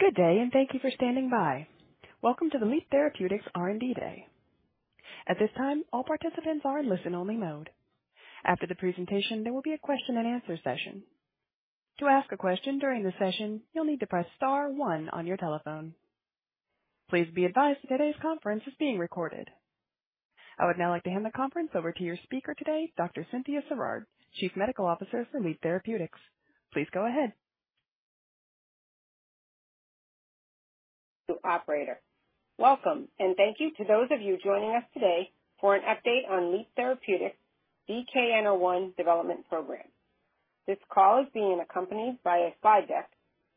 Good day, and thank you for standing by. Welcome to the Leap Therapeutics R&D Day. At this time, all participants are in listen-only mode. After the presentation, there will be a question and answer session. To ask a question during the session, you'll need to press star one on your telephone. Please be advised today's conference is being recorded. I would now like to hand the conference over to your speaker today, Dr. Cynthia Sirard, Chief Medical Officer for Leap Therapeutics. Please go ahead. Operator. Welcome, and thank you to those of you joining us today for an update on Leap Therapeutics' DKN-01 development program. This call is being accompanied by a slide deck,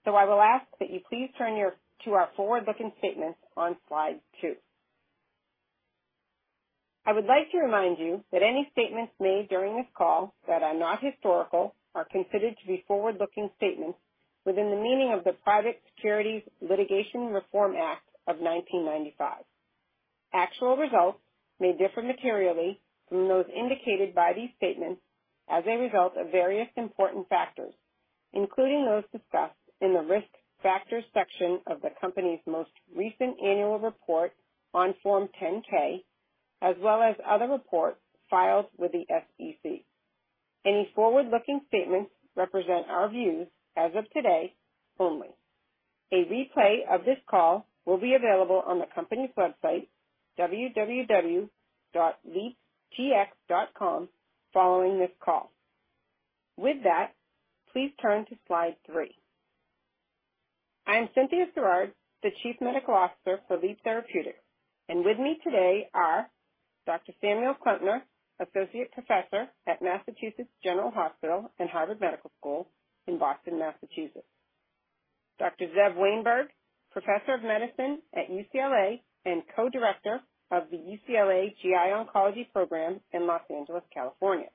so I will ask that you please turn to our forward-looking statement on slide two. I would like to remind you that any statements made during this call that are not historical are considered to be forward-looking statements within the meaning of the Private Securities Litigation Reform Act of 1995. Actual results may differ materially from those indicated by these statements as a result of various important factors, including those discussed in the Risk Factors section of the company's most recent annual report on Form 10-K, as well as other reports filed with the SEC. Any forward-looking statements represent our views as of today only. A replay of this call will be available on the company's website, www.leaptx.com, following this call. With that, please turn to slide three. I am Cynthia Sirard, the Chief Medical Officer for Leap Therapeutics, and with me today are Dr. Samuel Klempner, Associate Professor at Massachusetts General Hospital and Harvard Medical School in Boston, Massachusetts, Dr. Zev Wainberg, Professor of Medicine at UCLA and Co-director of the UCLA GI Oncology Program in Los Angeles, California,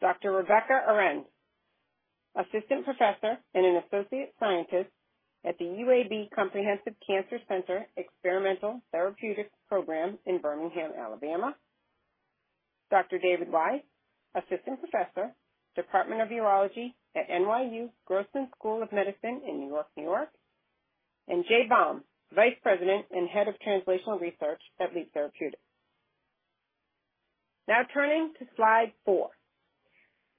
Dr. Rebecca Arend, Assistant Professor and an Associate Scientist at the O'Neal Comprehensive Cancer Center Experimental Therapeutics Program in Birmingham, Alabama, Dr. David Wise, Assistant Professor, Department of Urology at NYU Grossman School of Medicine in New York, New York, and Jay Baum, Vice President and Head of Translational Research at Leap Therapeutics. Now turning to slide four.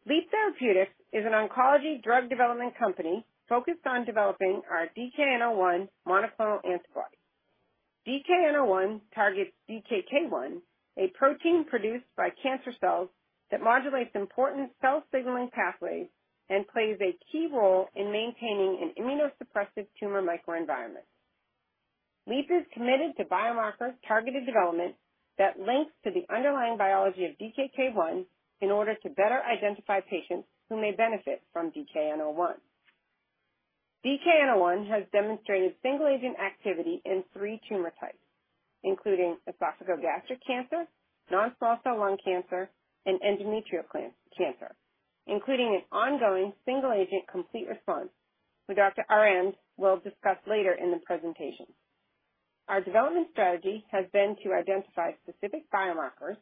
Leap Therapeutics is an oncology drug development company focused on developing our DKN-01 monoclonal antibody. DKN-01 targets DKK 1, a protein produced by cancer cells that modulates important cell signaling pathways and plays a key role in maintaining an immunosuppressive tumor microenvironment. Leap is committed to biomarker-targeted development that links to the underlying biology of DKK 1 in order to better identify patients who may benefit from DKN-01. DKN-01 has demonstrated single-agent activity in three tumor types, including esophageal gastric cancer, non-small cell lung cancer, and endometrial cancer, including an ongoing single-agent complete response with Dr. Arend, we'll discuss later in the presentation. Our development strategy has been to identify specific biomarkers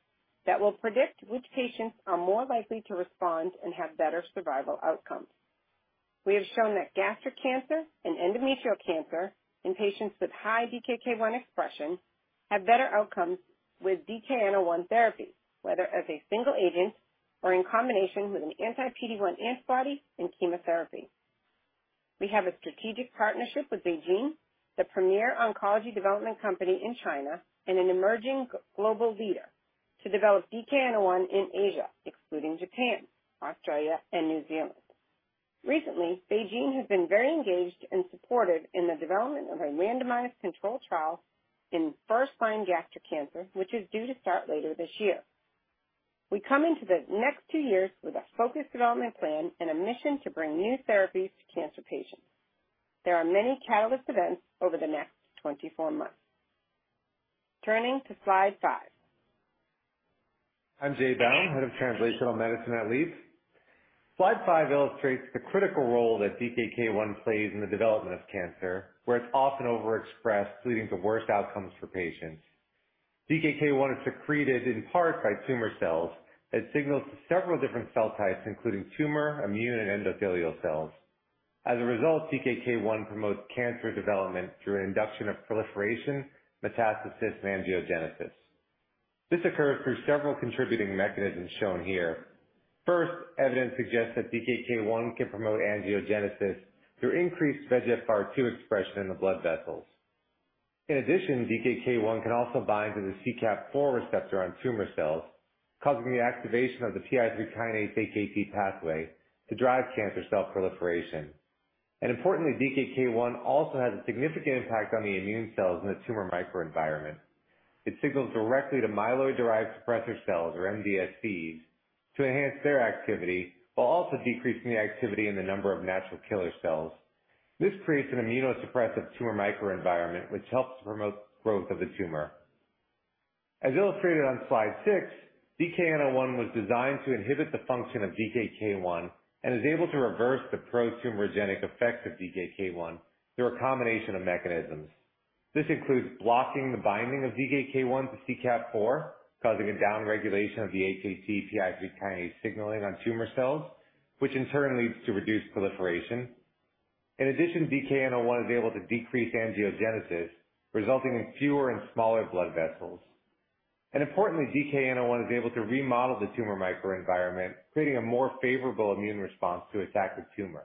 that will predict which patients are more likely to respond and have better survival outcomes. We have shown that gastric cancer and endometrial cancer in patients with high DKK 1 expression have better outcomes with DKN-01 therapy, whether as a single agent or in combination with an anti-PD-1 antibody and chemotherapy. We have a strategic partnership with BeiGene, the premier oncology development company in China and an emerging global leader to develop DKN-01 in Asia, excluding Japan, Australia, and New Zealand. Recently, BeiGene has been very engaged and supportive in the development of a randomized controlled trial in first-line gastric cancer, which is due to start later this year. We come into the next two years with a focused development plan and a mission to bring new therapies to cancer patients. There are many catalyst events over the next 24 months. Turning to slide five. I'm Jay Baum, Head of Translational Medicine at Leap. Slide five illustrates the critical role that DKK 1 plays in the development of cancer, where it's often overexpressed, leading to worse outcomes for patients. 1 is secreted in part by tumor cells that signal to several different cell types, including tumor, immune, and endothelial cells. As a result, 1 promotes cancer development through an induction of proliferation, metastasis, and angiogenesis. This occurs through several contributing mechanisms shown here. First, evidence suggests that DKK 1 can promote angiogenesis through increased VEGFR2 expression in the blood vessels. In addition, DKK 1 can also bind to the CKAP4 receptor on tumor cells, causing the activation of the PI3K AKT pathway to drive cancer cell proliferation. Importantly, DKK 1 also has a significant impact on the immune cells in the tumor microenvironment. It signals directly to myeloid-derived suppressor cells, or MDSCs, to enhance their activity while also decreasing the activity in the number of natural killer cells. This creates an immunosuppressive tumor microenvironment, which helps to promote growth of the tumor. As illustrated on slide six, DKN-01 was designed to inhibit the function of DKK 1 and is able to reverse the pro-tumorigenic effects of DKK 1 through a combination of mechanisms. This includes blocking the binding of DKK 1 to CKAP4, causing a downregulation of the AKT/PI3K signaling on tumor cells, which in turn leads to reduced proliferation. In addition, DKN-01 is able to decrease angiogenesis, resulting in fewer and smaller blood vessels. Importantly, DKN-01 is able to remodel the tumor microenvironment, creating a more favorable immune response to attack the tumor.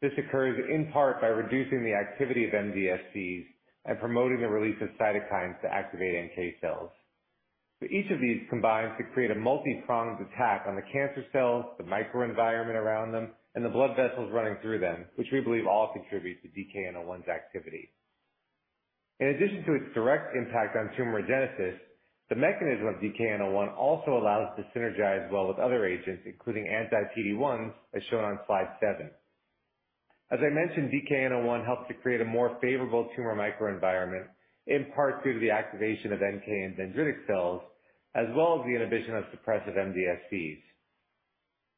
This occurs in part by reducing the activity of MDSCs and promoting the release of cytokines to activate NK cells. Each of these combines to create a multi-pronged attack on the cancer cells, the microenvironment around them, and the blood vessels running through them, which we believe all contributes to DKN-01's activity. In addition to its direct impact on tumorigenesis, the mechanism of DKN-01 also allows to synergize well with other agents, including anti-PD-1s, as shown on slide seven. As I mentioned, DKN-01 helps to create a more favorable tumor microenvironment, in part due to the activation of NK and dendritic cells, as well as the inhibition of suppressive MDSCs.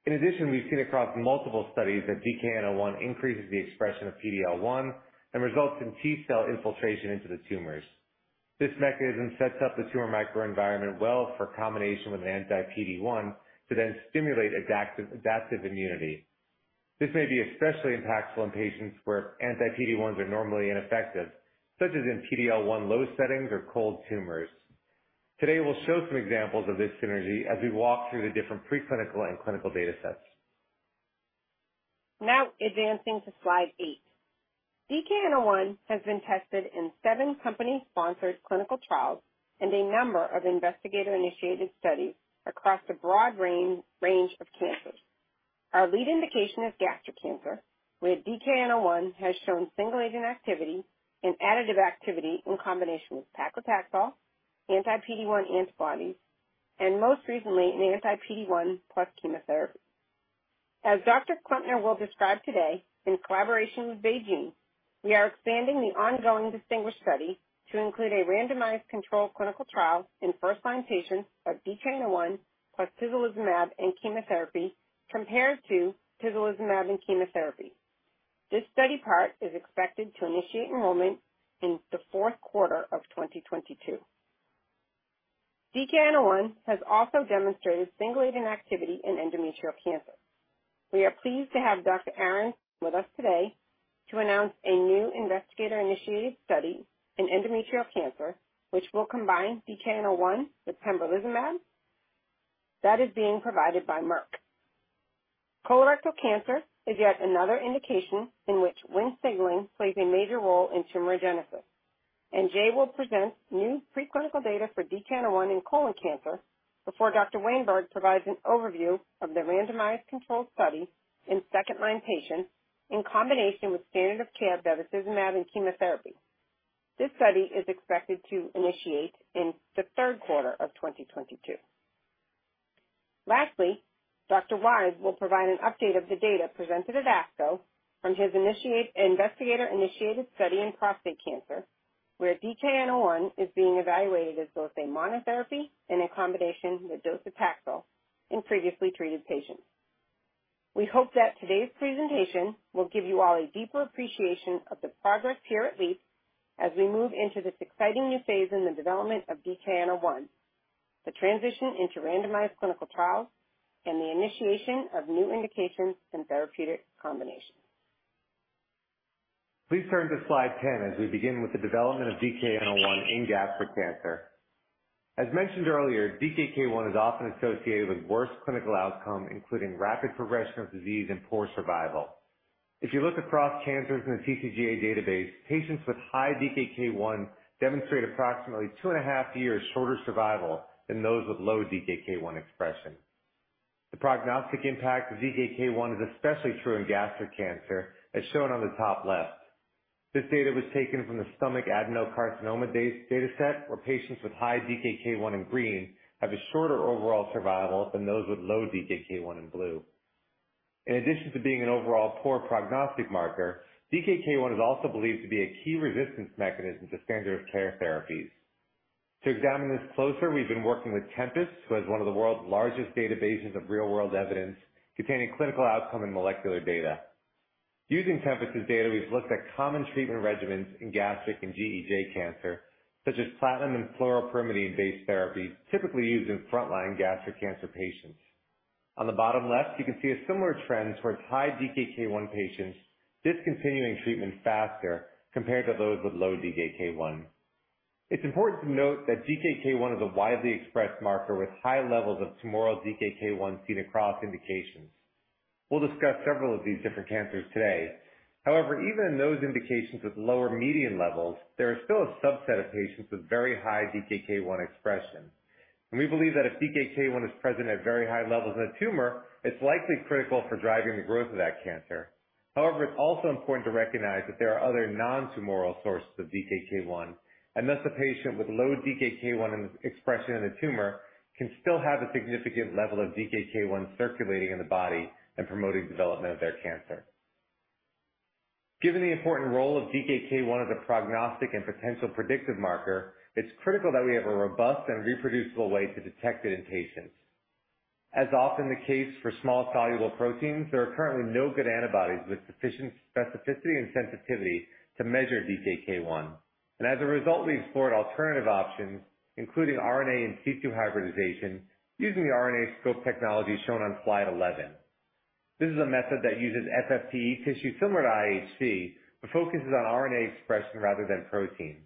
In addition, we've seen across multiple studies that DKN-01 increases the expression of PD-L1 and results in T-cell infiltration into the tumors. This mechanism sets up the tumor microenvironment well for combination with an anti-PD-1 to then stimulate adaptive immunity. This may be especially impactful in patients where anti-PD-1s are normally ineffective, such as in PD-L1 low settings or cold tumors. Today, we'll show some examples of this synergy as we walk through the different preclinical and clinical data sets. Now advancing to slide eight. DKN-01 has been tested in seven company-sponsored clinical trials and a number of investigator-initiated studies across a broad range of cancers. Our lead indication is gastric cancer, where DKN-01 has shown single-agent activity and additive activity in combination with paclitaxel, anti-PD-1 antibodies, and most recently, an anti-PD-1 plus chemotherapy. As Dr. Klempner will describe today, in collaboration with BeiGene, we are expanding the ongoing DisTinGuish study to include a randomized controlled clinical trial in first-line patients of DKN-01 plus tislelizumab and chemotherapy, compared to tislelizumab and chemotherapy. This study part is expected to initiate enrollment in the fourth quarter of 2022. DKN-01 has also demonstrated single-agent activity in endometrial cancer. We are pleased to have Dr. Arend with us today to announce a new investigator-initiated study in endometrial cancer, which will combine DKN-01 with pembrolizumab. That is being provided by Merck. Colorectal cancer is yet another indication in which Wnt signaling plays a major role in tumorigenesis. Jay will present new preclinical data for DKN-01 in colon cancer before Dr. Wainberg provides an overview of the randomized controlled study in second-line patients in combination with standard of care bevacizumab and chemotherapy. This study is expected to initiate in the third quarter of 2022. Lastly, Dr. Wise will provide an update of the data presented at ASCO from his investigator-initiated study in prostate cancer, where DKN-01 is being evaluated as both a monotherapy and in combination with docetaxel in previously treated patients. We hope that today's presentation will give you all a deeper appreciation of the progress here at Leap as we move into this exciting new phase in the development of DKN-01, the transition into randomized clinical trials, and the initiation of new indications and therapeutic combinations. Please turn to slide 10 as we begin with the development of DKN-01 in gastric cancer. As mentioned earlier, DKK 1 is often associated with worse clinical outcome, including rapid progression of disease and poor survival. If you look across cancers in the TCGA database, patients with high DKK 1 demonstrate approximately 2.5 years shorter survival than those with low DKK 1 expression. The prognostic impact of DKK 1 is especially true in gastric cancer, as shown on the top left. This data was taken from the stomach adenocarcinoma dataset, where patients with high DKK 1 in green have a shorter overall survival than those with low DKK 1 in blue. In addition to being an overall poor prognostic marker, DKK 1 is also believed to be a key resistance mechanism to standard of care therapies. To examine this closer, we've been working with Tempus, who has one of the world's largest databases of real-world evidence containing clinical outcome and molecular data. Using Tempus's data, we've looked at common treatment regimens in gastric and GEJ cancer, such as platinum and fluoropyrimidine-based therapies typically used in frontline gastric cancer patients. On the bottom left, you can see a similar trend towards high DKK 1 patients discontinuing treatment faster compared to those with low DKK 1. It's important to note that DKK 1 is a widely expressed marker with high levels of tumoral DKK 1 seen across indications. We'll discuss several of these different cancers today. However, even in those indications with lower median levels, there is still a subset of patients with very high DKK 1 expression. We believe that if DKK 1 is present at very high levels in a tumor, it's likely critical for driving the growth of that cancer. However, it's also important to recognize that there are other non-tumoral sources of DKK 1, and thus a patient with low DKK 1 expression in a tumor can still have a significant level of DKK 1 circulating in the body and promoting development of their cancer. Given the important role of DKK1 as a prognostic and potential predictive marker, it's critical that we have a robust and reproducible way to detect it in patients. As often the case for small soluble proteins, there are currently no good antibodies with sufficient specificity and sensitivity to measure DKK 1. As a result, we explored alternative options, including RNA in situ hybridization using the RNAscope technology shown on slide 11. This is a method that uses FFPE tissue similar to IHC, but focuses on RNA expression rather than protein.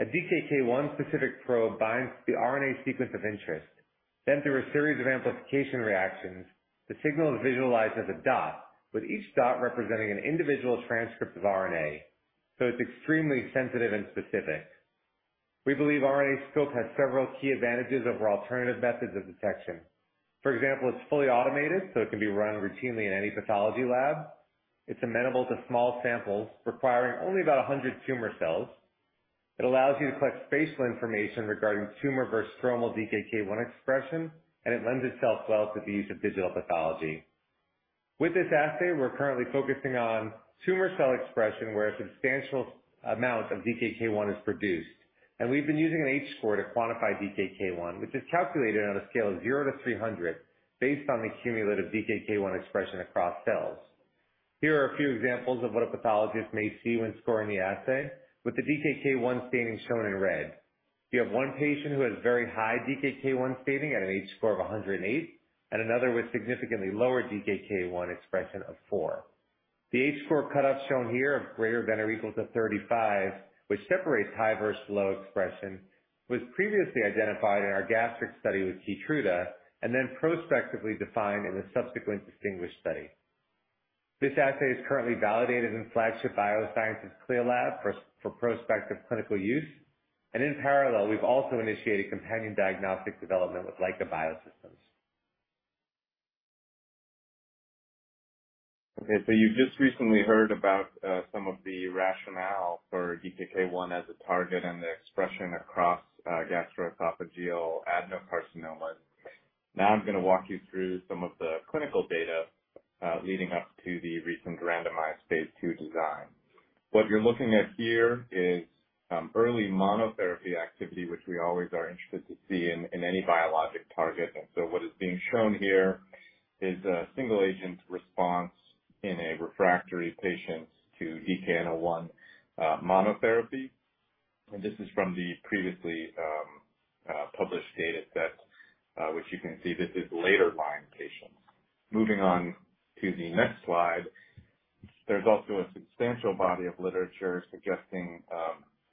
A DKK 1 specific probe binds the RNA sequence of interest. Then, through a series of amplification reactions, the signal is visualized as a dot, with each dot representing an individual transcript of RNA, so it's extremely sensitive and specific. We believe RNAscope has several key advantages over alternative methods of detection. For example, it's fully automated, so it can be run routinely in any pathology lab. It's amenable to small samples requiring only about 100 tumor cells. It allows you to collect spatial information regarding tumor versus stromal DKK 1 expression, and it lends itself well to the use of digital pathology. With this assay, we're currently focusing on tumor cell expression, where a substantial amount of DKK 1 is produced, and we've been using an H-score to quantify DKK 1, which is calculated on a scale of zero to 300 based on the cumulative DKK 1 expression across cells. Here are a few examples of what a pathologist may see when scoring the assay. With the DKK 1 staining shown in red, you have one patient who has very high DKK 1 staining at an H-score of 108 and another with significantly lower DKK 1 expression of four. The H-score cut-off shown here of greater than or equal to 35, which separates high versus low expression, was previously identified in our gastric study with Keytruda and then prospectively defined in the subsequent DisTinGuish study. This assay is currently validated in Flagship Biosciences CLIA lab for prospective clinical use, and in parallel we've also initiated companion diagnostic development with Leica Biosystems. Okay, so you just recently heard about some of the rationale for 1 as a target and the expression across gastroesophageal adenocarcinomas. Now I'm going to walk you through some of the clinical data leading up to the recent randomized phase II design. What you're looking at here is early monotherapy activity, which we always are interested to see in any biologic target. What is being shown here is a single agent's response in a refractory patient to DKN-01 monotherapy. This is from the previously published data set, which you can see this is later line patients. Moving on to the next slide, there's also a substantial body of literature suggesting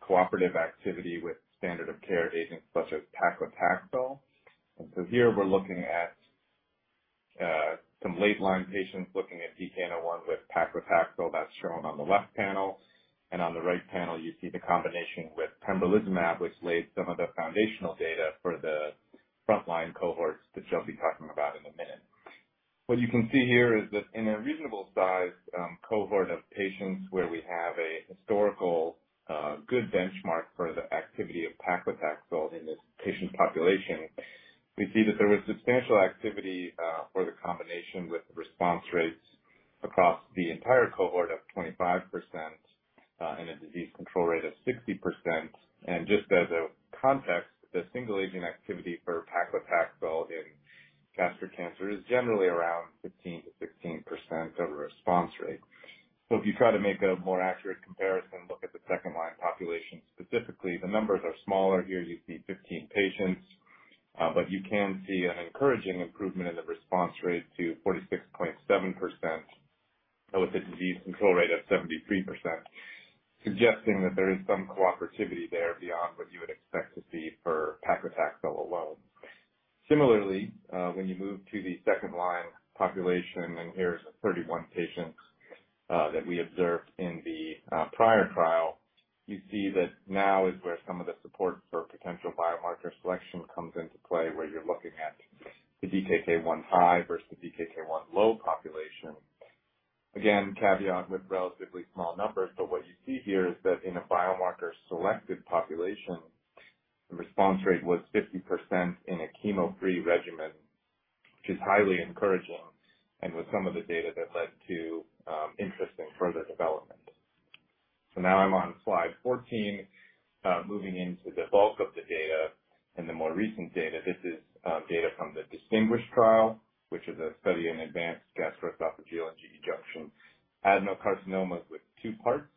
cooperative activity with standard of care agents such as paclitaxel. Here we're looking at some late line patients looking at DKN-01 with paclitaxel, that's shown on the left panel. On the right panel you see the combination with pembrolizumab, which laid some of the foundational data for the frontline cohorts that you'll be talking about in a minute. What you can see here is that in a reasonable size cohort of patients where we have a historically good benchmark for the activity of paclitaxel in this patient population, we see that there was substantial activity for the combination with the response rates across the entire cohort of 25%, and a disease control rate of 60%. Just as a context, the single-agent activity for paclitaxel in gastric cancer is generally around 15%-16% of a response rate. If you try to make a more accurate comparison, look at the second line population specifically. The numbers are smaller here. You see 15 patients, but you can see an encouraging improvement in the response rate to 46.7% with a disease control rate of 73%, suggesting that there is some cooperativity there beyond what you would expect to see for paclitaxel alone. Similarly, when you move to the second-line population, and here's the 31 patients that we observed in the prior trial, you see that now is where some of the support for potential biomarker selection comes into play, where you're looking at the DKK 1 high versus the DKK 1 low population. Again, caveat with relatively small numbers, but what you see here is that in a biomarker-selected population, the response rate was 50% in a chemo-free regimen, which is highly encouraging and with some of the data that led to interest in further development. Now I'm on slide 14, moving into the bulk of the data and the more recent data. This is data from the DisTinGuish trial, which is a study in advanced gastroesophageal and GEJ adenocarcinomas with two parts.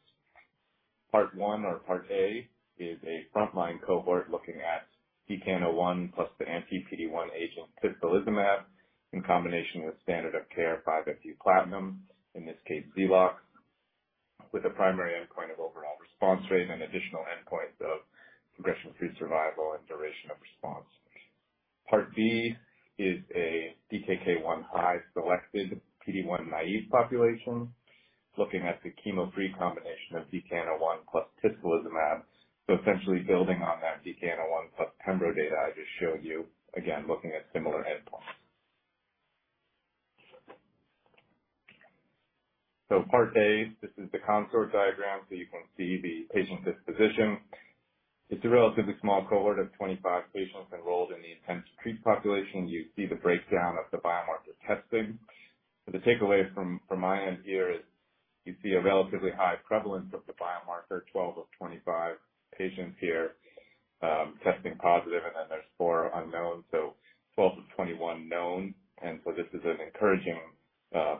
Part one or Part A is a frontline cohort looking at DKN-01 plus the anti-PD-1 agent tislelizumab in combination with standard of care 5-FU/platinum, in this case XELOX, with a primary endpoint of overall response rate and additional endpoints of progression-free survival and duration of response. Part B is a DKK 1 high selected PD-1 naive population looking at the chemo-free combination of DKN-01 plus tislelizumab. Essentially building on that DKN-01 plus pembro data I just showed you, again looking at similar endpoints. Part A, this is the consort diagram, so you can see the patient disposition. It's a relatively small cohort of 25 patients enrolled in the intent-to-treat population. You see the breakdown of the biomarker testing. The takeaway from my end here is you see a relatively high prevalence of the biomarker, 12 of 25 patients here testing positive, and then there's four unknown, so 12 of 21 known. This is an encouraging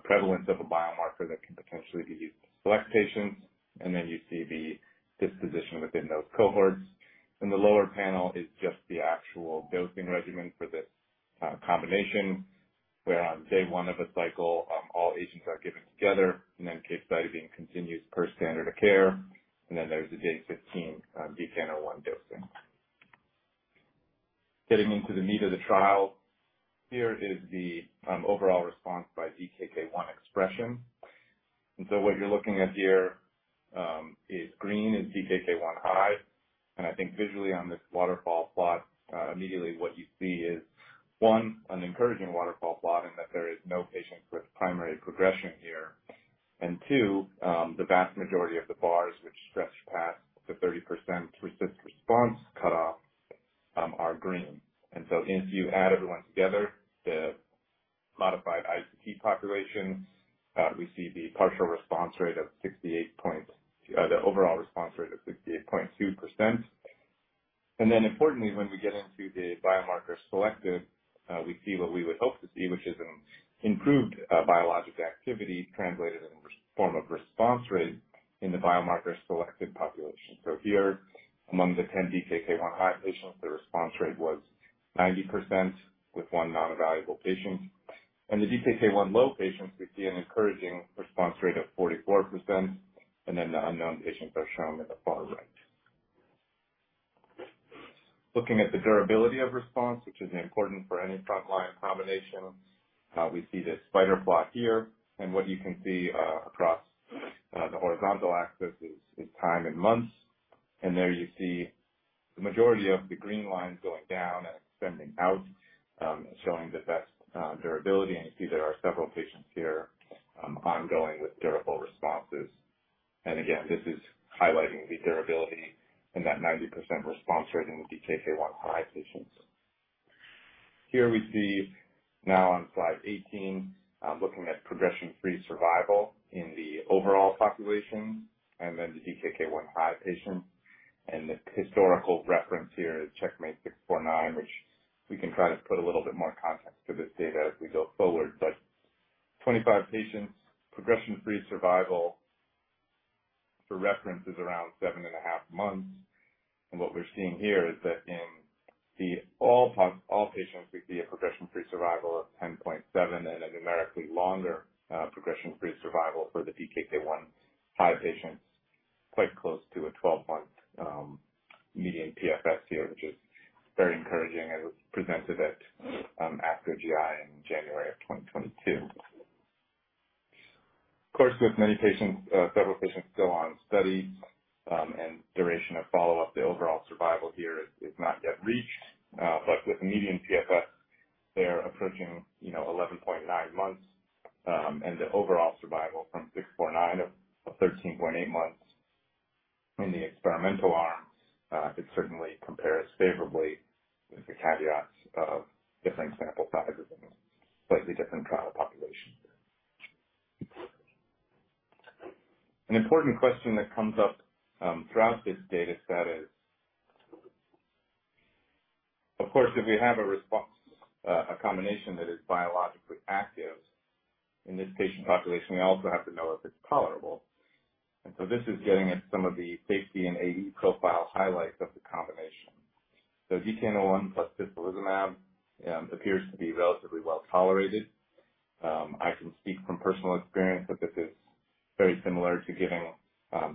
prevalence of a biomarker that can potentially be used to select patients. You see the disposition within those cohorts. In the lower panel is just the actual dosing regimen for this combination, where on day one of a cycle all agents are given together and then capecitabine continues per standard of care. There's the day 15 DKN-01 dosing. Getting into the meat of the trial, here is the overall response by 1 expression. What you're looking at here is green is 1 high, and I think visually on this waterfall plot, immediately what you see is, one, an encouraging waterfall plot in that there is no patients with primary progression here. Two, the vast majority of the bars which stretch past the 30% RECIST response cutoff are green. If you add everyone together, the modified ITT population, we see the overall response rate of 68.2%. Then importantly, when we get into the biomarker selective, we see what we would hope to see, which is an improved biologic activity translated in form of response rate in the biomarker selective population. Here, among the 10 DKK 1 high patients, the response rate was 90% with one non-evaluable patient. In the DKK 1 low patients, we see an encouraging response rate of 44%, and then the unknown patients are shown in the far right. Looking at the durability of response, which is important for any frontline combination, we see this spider plot here. What you can see across the horizontal axis is time in months. There you see the majority of the green lines going down and extending out, showing the best durability. You see there are several patients here, ongoing with durable responses. Again, this is highlighting the durability and that 90% response rate in the DKK 1 high patients. Here we see now on slide 18, looking at progression-free survival in the overall population and then the DKK 1 high patients. The historical reference here is CheckMate-649, which we can try to put a little bit more context to this data as we go forward. 25 patients, progression-free survival for reference is around 7.5 months. What we're seeing here is that in the all patients, we see a progression-free survival of 10.7 and a numerically longer, progression-free survival for the DKK 1 high patients, quite close to a 12-month, median PFS here, which is very encouraging and was presented at, ASCO GI in January of 2022. Of course, with many patients, several patients go on study, and duration of follow-up, the overall survival here is not yet reached. With median PFS, they're approaching, you know, 11.9 months, and the overall survival from CheckMate-649 of 13.8 months in the experimental arms, it certainly compares favorably with the caveats of different sample sizes and slightly different trial populations. An important question that comes up throughout this data set is. Of course, if we have a response, a combination that is biologically active in this patient population, we also have to know if it's tolerable. This is getting at some of the safety and AE profile highlights of the combination. DKN-01 plus tislelizumab appears to be relatively well-tolerated. I can speak from personal experience that this is very similar to giving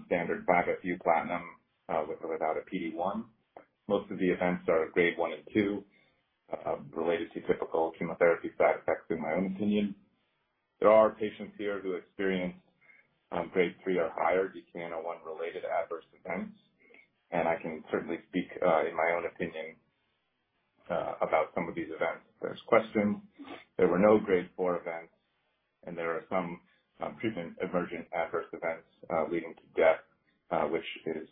standard 5-FU/platinum with or without a PD-1. Most of the events are Grade 1 and 2, related to typical chemotherapy side effects in my own opinion. There are patients here who experience, Grade 3 or higher DKN-01 related adverse events, and I can certainly speak, in my own opinion, about some of these events if there's questions. There were no Grade 4 events, and there are some, treatment-emergent adverse events, leading to death, which is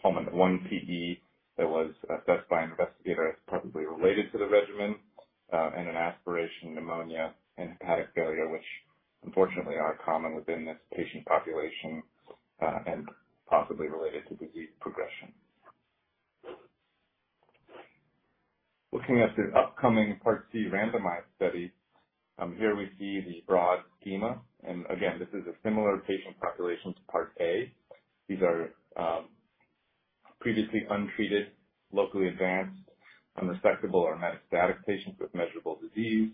prominent one PE that was assessed by an investigator as probably related to the regimen, and an aspiration pneumonia and hepatic failure, which unfortunately are common within this patient population, and possibly related to disease progression. Looking at the upcoming Part C randomized study, here we see the broad schema. Again, this is a similar patient population to Part A. These are previously untreated, locally advanced unresectable or metastatic patients with measurable disease,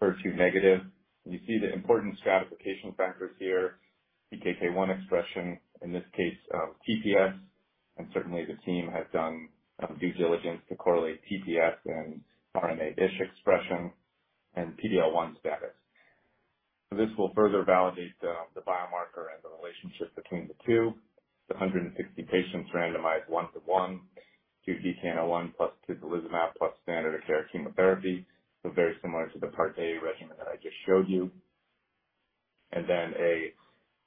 HER2-negative. You see the important stratification factors here, 1 expression, in this case, TPS, and certainly the team has done due diligence to correlate TPS and RNAscope expression and PD-L1 status. This will further validate the biomarker and the relationship between the two. The 160 patients randomized 1:1 to DKN-01 plus tislelizumab plus standard of care chemotherapy, so very similar to the Part A regimen that I just showed you. Then a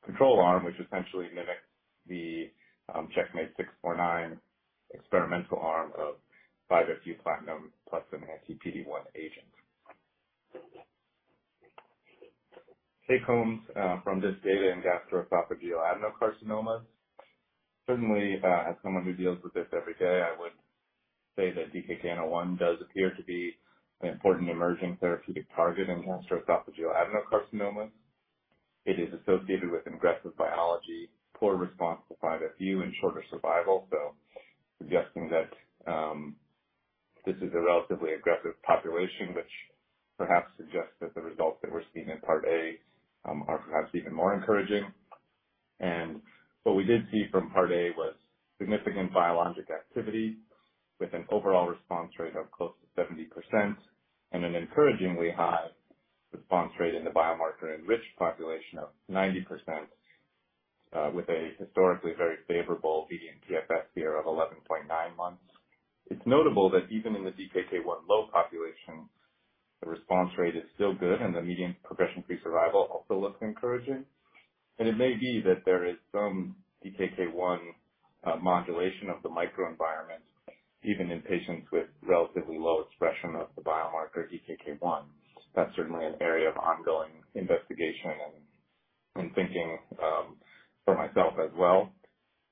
control arm, which essentially mimics the CheckMate-649 experimental arm of 5-FU/platinum plus an anti-PD-1 agent. Take homes from this data in gastroesophageal adenocarcinomas. Certainly, as someone who deals with this every day, I would say that DKK 1 does appear to be an important emerging therapeutic target in gastroesophageal adenocarcinomas. It is associated with aggressive biology, poor response to 5-FU and shorter survival. Suggesting that this is a relatively aggressive population, which perhaps suggests that the results that we're seeing in Part A are perhaps even more encouraging. What we did see from Part A was significant biologic activity with an overall response rate of close to 70% and an encouragingly high response rate in the biomarker-enriched population of 90%, with a historically very favorable median PFS period of 11.9 months. It's notable that even in the DKK 1 low population, the response rate is still good and the median progression-free survival also looks encouraging. It may be that there is some DKK 1 modulation of the microenvironment even in patients with relatively low expression of the biomarker 1. That's certainly an area of ongoing investigation and thinking for myself as well.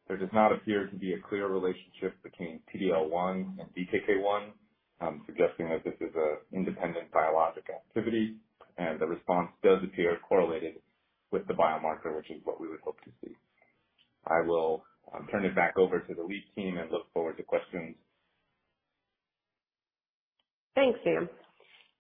There does not appear to be a clear relationship between PD-L1 and 1, suggesting that this is a independent biologic activity and the response does appear correlated with the biomarker, which is what we would hope to see. I will turn it back over to the Leap team and look forward to questions. Thanks, Sam.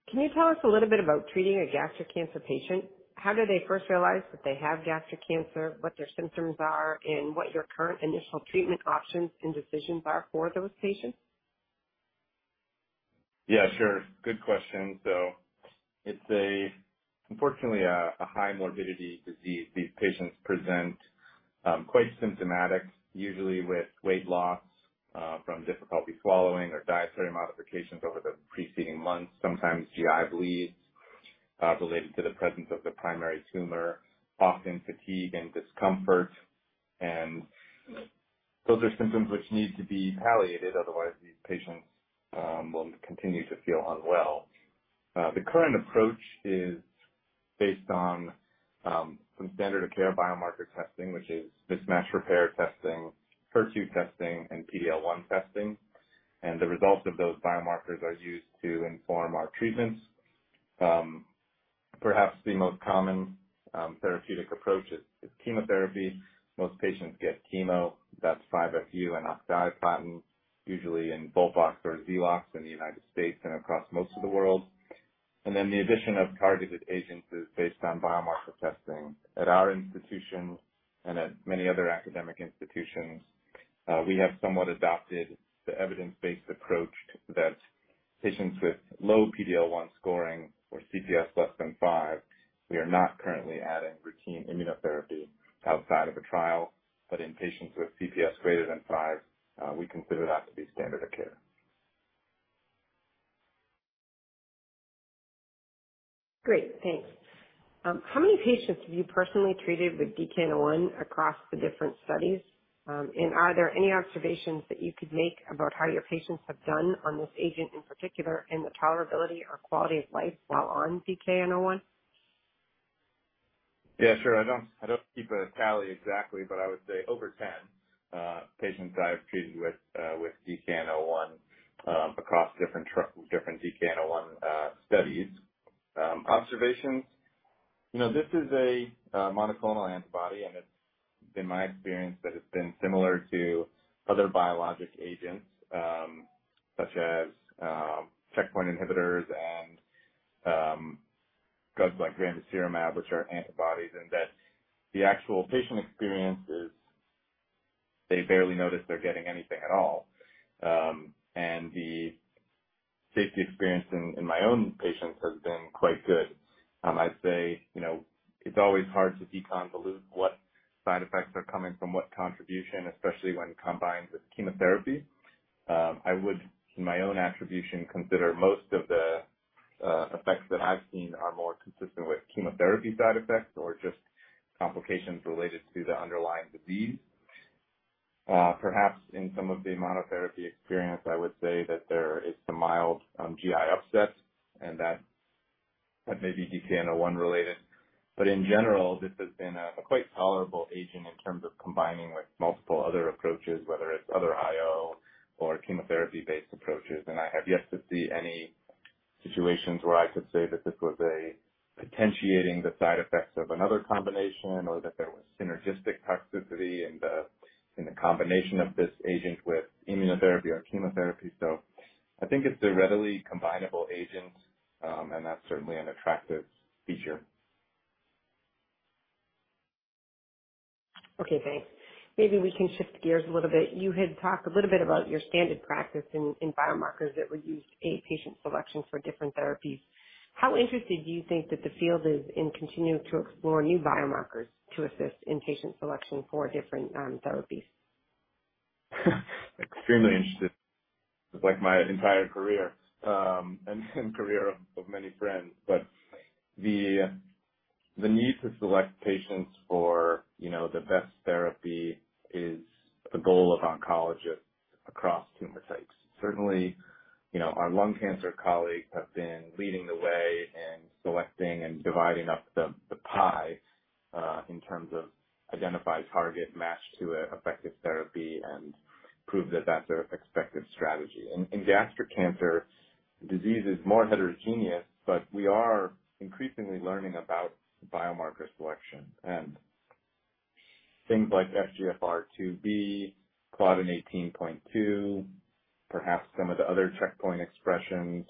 Can you tell us a little bit about treating a gastric cancer patient? How do they first realize that they have gastric cancer, what their symptoms are, and what your current initial treatment options and decisions are for those patients? Yeah, sure. Good question. It's unfortunately a high morbidity disease. These patients present quite symptomatic, usually with weight loss from difficulty swallowing or dietary modifications over the preceding months, sometimes GI bleeds related to the presence of the primary tumor, often fatigue and discomfort. Those are symptoms which need to be palliated, otherwise these patients will continue to feel unwell. The current approach is based on some standard of care biomarker testing, which is mismatch repair testing, HER2 testing, and PD-L1 testing. The results of those biomarkers are used to inform our treatments. Perhaps the most common therapeutic approach is chemotherapy. Most patients get chemo. That's 5-FU and oxaliplatin, usually in FOLFOX or XELOX in the United States and across most of the world. Then the addition of targeted agents is based on biomarker testing. At our institution and at many other academic institutions, we have somewhat adopted the evidence-based approach that patients with low PD-L1 scoring or CPS less than five, we are not currently adding routine immunotherapy outside of a trial. In patients with CPS greater than five, we consider that to be standard of care. Great. Thanks. How many patients have you personally treated with DKN-01 across the different studies? Are there any observations that you could make about how your patients have done on this agent in particular, and the tolerability or quality of life while on DKN-01? Yeah, sure. I don't keep a tally exactly, but I would say over 10 patients I've treated with DKN-01 across different DKN-01 studies. Observations, you know, this is a monoclonal antibody, and it's been my experience that it's been similar to other biologic agents, such as checkpoint inhibitors and drugs like ramucirumab, which are antibodies. That the actual patient experience is they barely notice they're getting anything at all. The safety experience in my own patients has been quite good. I'd say, you know, it's always hard to deconvolute what side effects are coming from what contribution, especially when combined with chemotherapy. I would, in my own attribution, consider most of the effects that I've seen are more consistent with chemotherapy side effects or just complications related to the underlying disease. Perhaps in some of the monotherapy experience, I would say that there is some mild GI upset and that may be DKN-01 related. But in general, this has been a quite tolerable agent in terms of combining with multiple other approaches, whether it's other IO or chemotherapy-based approaches. I have yet to see any situations where I could say that this was potentiating the side effects of another combination or that there was synergistic toxicity in the combination of this agent with immunotherapy or chemotherapy. I think it's a readily combinable agent, and that's certainly an attractive feature. Okay, thanks. Maybe we can shift gears a little bit. You had talked a little bit about your standard practice in biomarkers that were used in patient selection for different therapies. How interested do you think that the field is in continuing to explore new biomarkers to assist in patient selection for different therapies? Extremely interested, like my entire career, and career of many friends. The need to select patients for, you know, the best therapy is the goal of oncologists across tumor sites. Certainly, you know, our lung cancer colleagues have been leading the way in selecting and dividing up the pie in terms of identify target matched to an effective therapy and prove that that's an effective strategy. In gastric cancer, disease is more heterogeneous, but we are increasingly learning about biomarker selection and things like FGFR2b, CLDN18.2, perhaps some of the other checkpoint expressions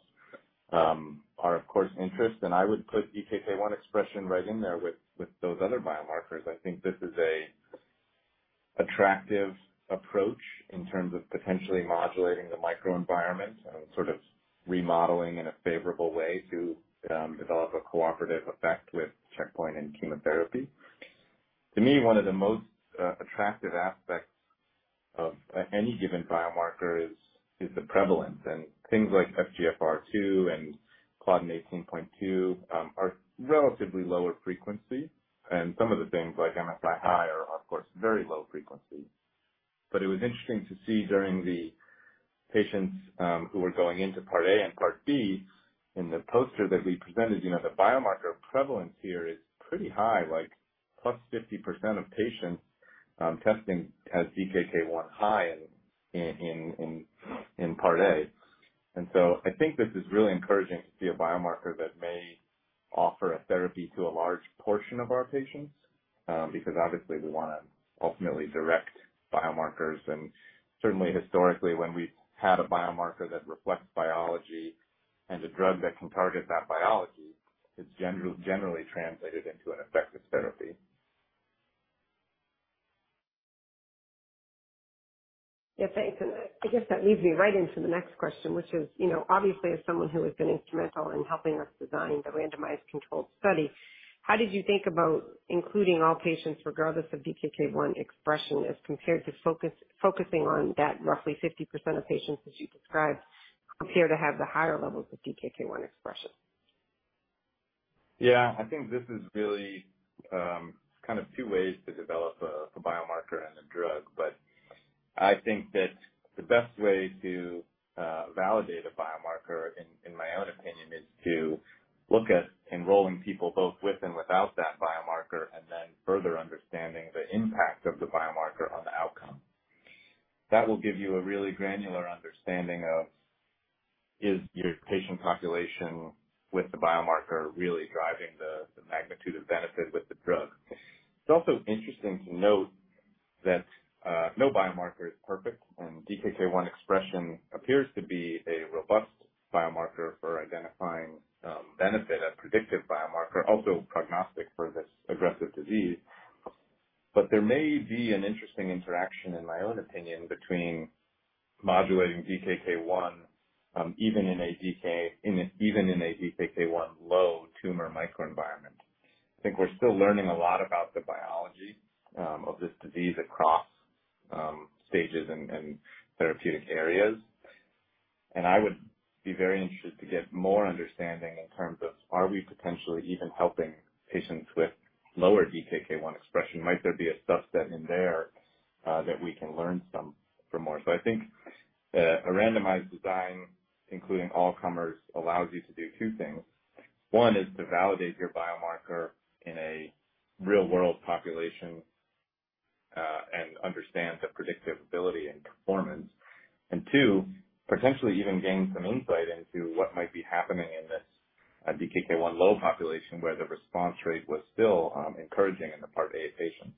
are of course interest, and I would put DKK 1 expression right in there with those other biomarkers. I think this is an attractive approach in terms of potentially modulating the microenvironment and sort of remodeling in a favorable way to develop a cooperative effect with checkpoint and chemotherapy. To me, one of the most attractive aspects of any given biomarker is the prevalence and things like FGFR2 and CLDN18.2 are relatively lower frequency. Some of the things like MSI-high are of course very low frequency. It was interesting to see in the patients who were going into Part A and Part B in the poster that we presented. You know, the biomarker prevalence here is pretty high, like +50% of patients testing as DKK 1 high in Part A. I think this is really encouraging to see a biomarker that may offer a therapy to a large portion of our patients, because obviously we wanna ultimately direct biomarkers and certainly historically when we've had a biomarker that reflects biology and the drug that can target that biology, it's generally translated into an effective therapy. Yeah, thanks. I guess that leads me right into the next question, which is, you know, obviously as someone who has been instrumental in helping us design the randomized controlled study, how did you think about including all patients regardless of DKK 1 expression, as compared to focusing on that roughly 50% of patients, as you described, who appear to have the higher levels of DKK 1 expression? Yeah. I think this is really kind of two ways to develop a biomarker and a drug, but I think that the best way to validate a biomarker in my own opinion is to look at enrolling people both with and without that biomarker and then further understanding the impact of the biomarker on the outcome. That will give you a really granular understanding of is your patient population with the biomarker really driving the magnitude of benefit with the drug. It's also interesting to note that no biomarker is perfect, and DKK 1 expression appears to be a robust biomarker for identifying benefit as predictive biomarker, also prognostic for this aggressive disease. But there may be an interesting interaction in my own opinion between modulating DKK 1 even in a DKK1-low tumor microenvironment. I think we're still learning a lot about the biology of this disease across stages and therapeutic areas. I would be very interested to get more understanding in terms of are we potentially even helping patients with lower DKK 1 expression? Might there be a subset in there that we can learn some from more? I think a randomized design, including all comers, allows you to do two things. One is to validate your biomarker in a real world population and understand the predictability and performance. Two, potentially even gain some insight into what might be happening in this DKK1-low population where the response rate was still encouraging in the Part A patients.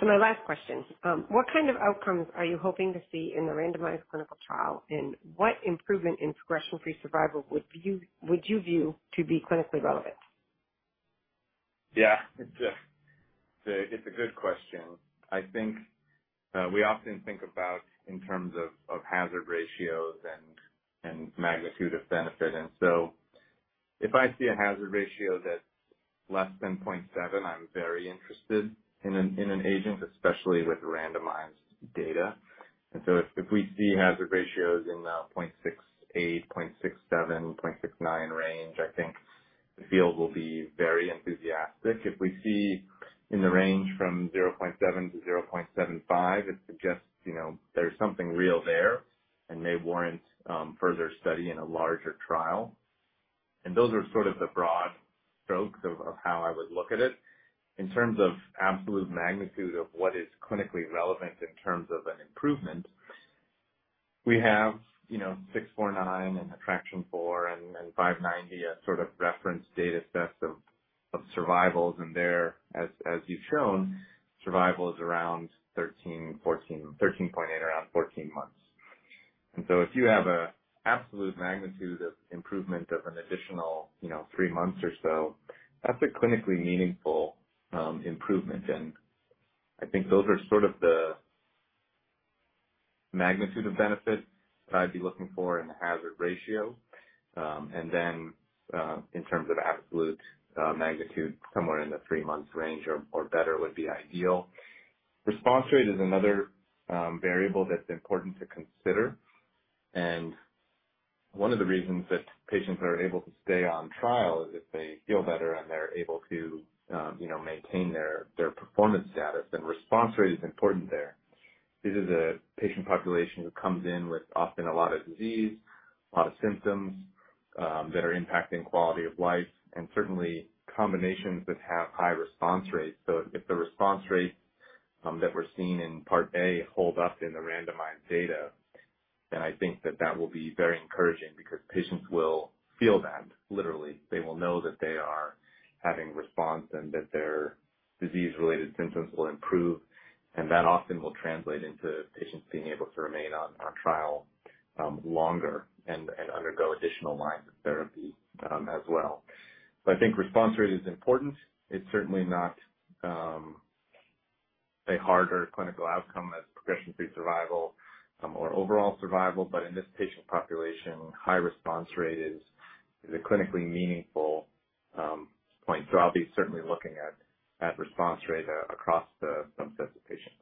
Great. My last question. What kind of outcomes are you hoping to see in the randomized clinical trial? What improvement in progression-free survival would you view to be clinically relevant? It's a good question. I think we often think about in terms of hazard ratios and magnitude of benefit. If I see a hazard ratio that's less than 0.7, I'm very interested in an agent, especially with randomized data. If we see hazard ratios in the 0.68, 0.67, 0.69 range, I think the field will be very enthusiastic. If we see in the range from 0.7 to 0.75, it suggests, you know, there's something real there and may warrant further study in a larger trial. Those are sort of the broad strokes of how I would look at it. In terms of absolute magnitude of what is clinically relevant in terms of an improvement, we have, you know, CheckMate-649 and ATTRACTION-4 and 590 as sort of reference data sets of survivals. There, as you've shown, survival is around 13, 14, 13.8, around 14 months. If you have an absolute magnitude of improvement of an additional, you know, three months or so, that's a clinically meaningful improvement. I think those are sort of the magnitude of benefit that I'd be looking for in the hazard ratio. In terms of absolute magnitude, somewhere in the three months range or better would be ideal. Response rate is another variable that's important to consider. One of the reasons that patients are able to stay on trial is if they feel better and they're able to, you know, maintain their performance status, then response rate is important there. This is a patient population who comes in with often a lot of disease, a lot of symptoms, that are impacting quality of life, and certainly combinations that have high response rates. If the response rate that we're seeing in Part A holds up in the randomized data, then I think that will be very encouraging because patients will feel that literally. They will know that they are having response and that their disease-related symptoms will improve, and that often will translate into patients being able to remain on our trial, longer and undergo additional lines of therapy, as well. I think response rate is important. It's certainly not a harder clinical outcome as progression-free survival or overall survival. In this patient population, high response rate is a clinically meaningful point. I'll be certainly looking at response rate across the subset of patients.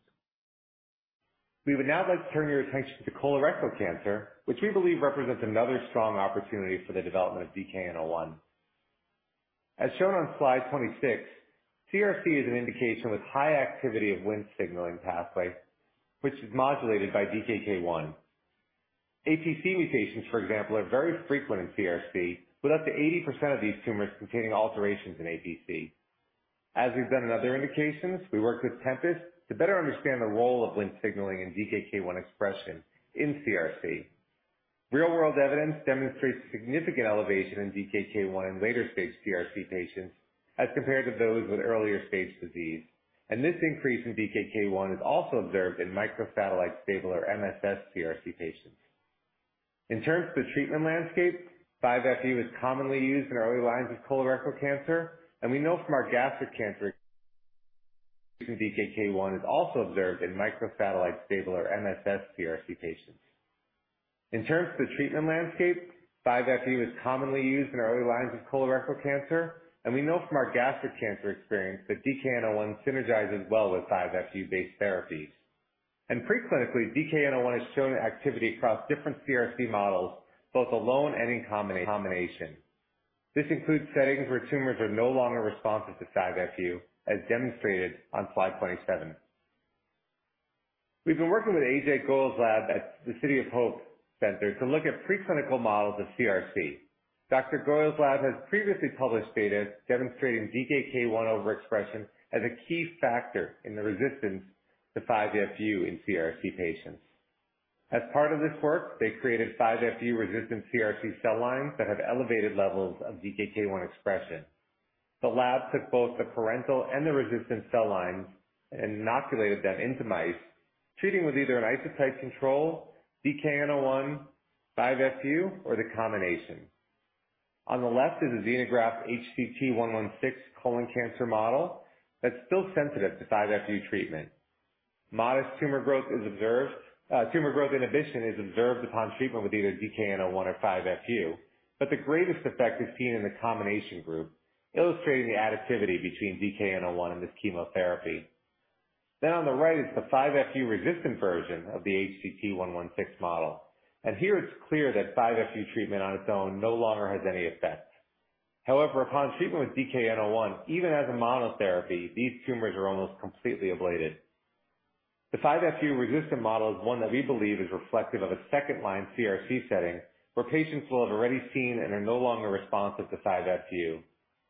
We would now like to turn your attention to colorectal cancer, which we believe represents another strong opportunity for the development of DKN-01. As shown on slide 26, CRC is an indication with high activity of Wnt signaling pathway, which is modulated by DKK 1. APC mutations, for example, are very frequent in CRC, with up to 80% of these tumors containing alterations in APC. As we've done in other indications, we worked with Tempus to better understand the role of Wnt signaling in DKK 1 expression in CRC. Real-world evidence demonstrates significant elevation in DKK 1 in later-stage CRC patients as compared to those with earlier-stage disease. This increase in DKK 1 is also observed in microsatellite stable or MSS CRC patients. In terms of the treatment landscape, 5-FU is commonly used in early lines of colorectal cancer, and we know from our gastric cancer experience that DKN-01 synergizes well with 5-FU-based therapies. Pre-clinically, DKN-01 has shown activity across different CRC models, both alone and in combination. This includes settings where tumors are no longer responsive to 5-FU, as demonstrated on slide 27. We've been working with Ajay Goel's lab at the City of Hope to look at preclinical models of CRC. Dr. Goel's lab has previously published data demonstrating DKK 1 overexpression as a key factor in the resistance to 5-FU in CRC patients. As part of this work, they created 5-FU-resistant CRC cell lines that have elevated levels of DKK 1 expression. The lab took both the parental and the resistant cell lines and inoculated them into mice, treating with either an isotype control, DKN-01, 5-FU, or the combination. On the left is a xenograft HCT116 colon cancer model that's still sensitive to 5-FU treatment. Modest tumor growth is observed. Tumor growth inhibition is observed upon treatment with either DKN-01 or 5-FU, but the greatest effect is seen in the combination group, illustrating the additivity between DKN-01 and this chemotherapy. On the right is the 5-FU-resistant version of the HCT116 model, and here it's clear that 5-FU treatment on its own no longer has any effect. However, upon treatment with DKN-01, even as a monotherapy, these tumors are almost completely ablated. The 5-FU-resistant model is one that we believe is reflective of a second-line CRC setting, where patients will have already seen and are no longer responsive to 5-FU.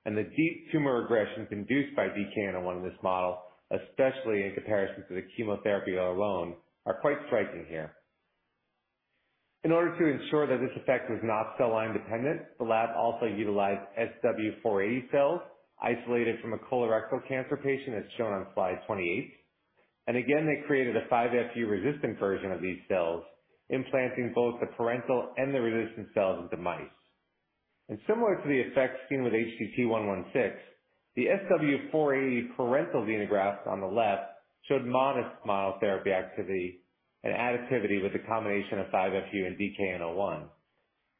The deep tumor regressions induced by DKN-01 in this model, especially in comparison to the chemotherapy alone, are quite striking here. In order to ensure that this effect was not cell line dependent, the lab also utilized SW480 cells isolated from a colorectal cancer patient, as shown on slide 28. Again, they created a 5-FU-resistant version of these cells, implanting both the parental and the resistant cells into mice. Similar to the effects seen with HCT116, the SW480 parental xenografts on the left showed modest monotherapy activity and additivity with the combination of 5-FU and DKN-01.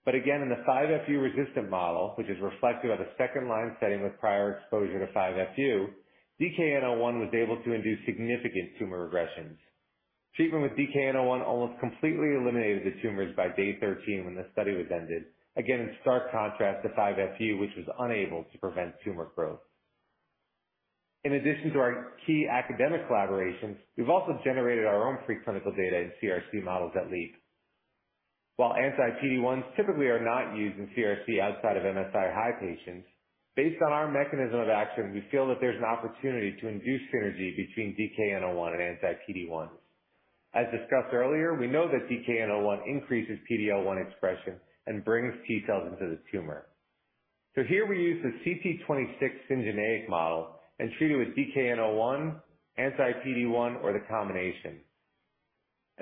Again, in the 5-FU-resistant model, which is reflective of a second-line setting with prior exposure to 5-FU, DKN-01 was able to induce significant tumor regressions. Treatment with DKN-01 almost completely eliminated the tumors by day 13 when the study was ended. Again, in stark contrast to 5-FU, which was unable to prevent tumor growth. In addition to our key academic collaborations, we've also generated our own pre-clinical data in CRC models at Leap. While anti-PD-1s typically are not used in CRC outside of MSI-high patients, based on our mechanism of action, we feel that there's an opportunity to induce synergy between DKN-01 and anti-PD-1s. As discussed earlier, we know that DKN-01 increases PD-L1 expression and brings T-cells into the tumor. Here we use the CT26 syngeneic model and treat it with DKN-01, anti-PD-1, or the combination.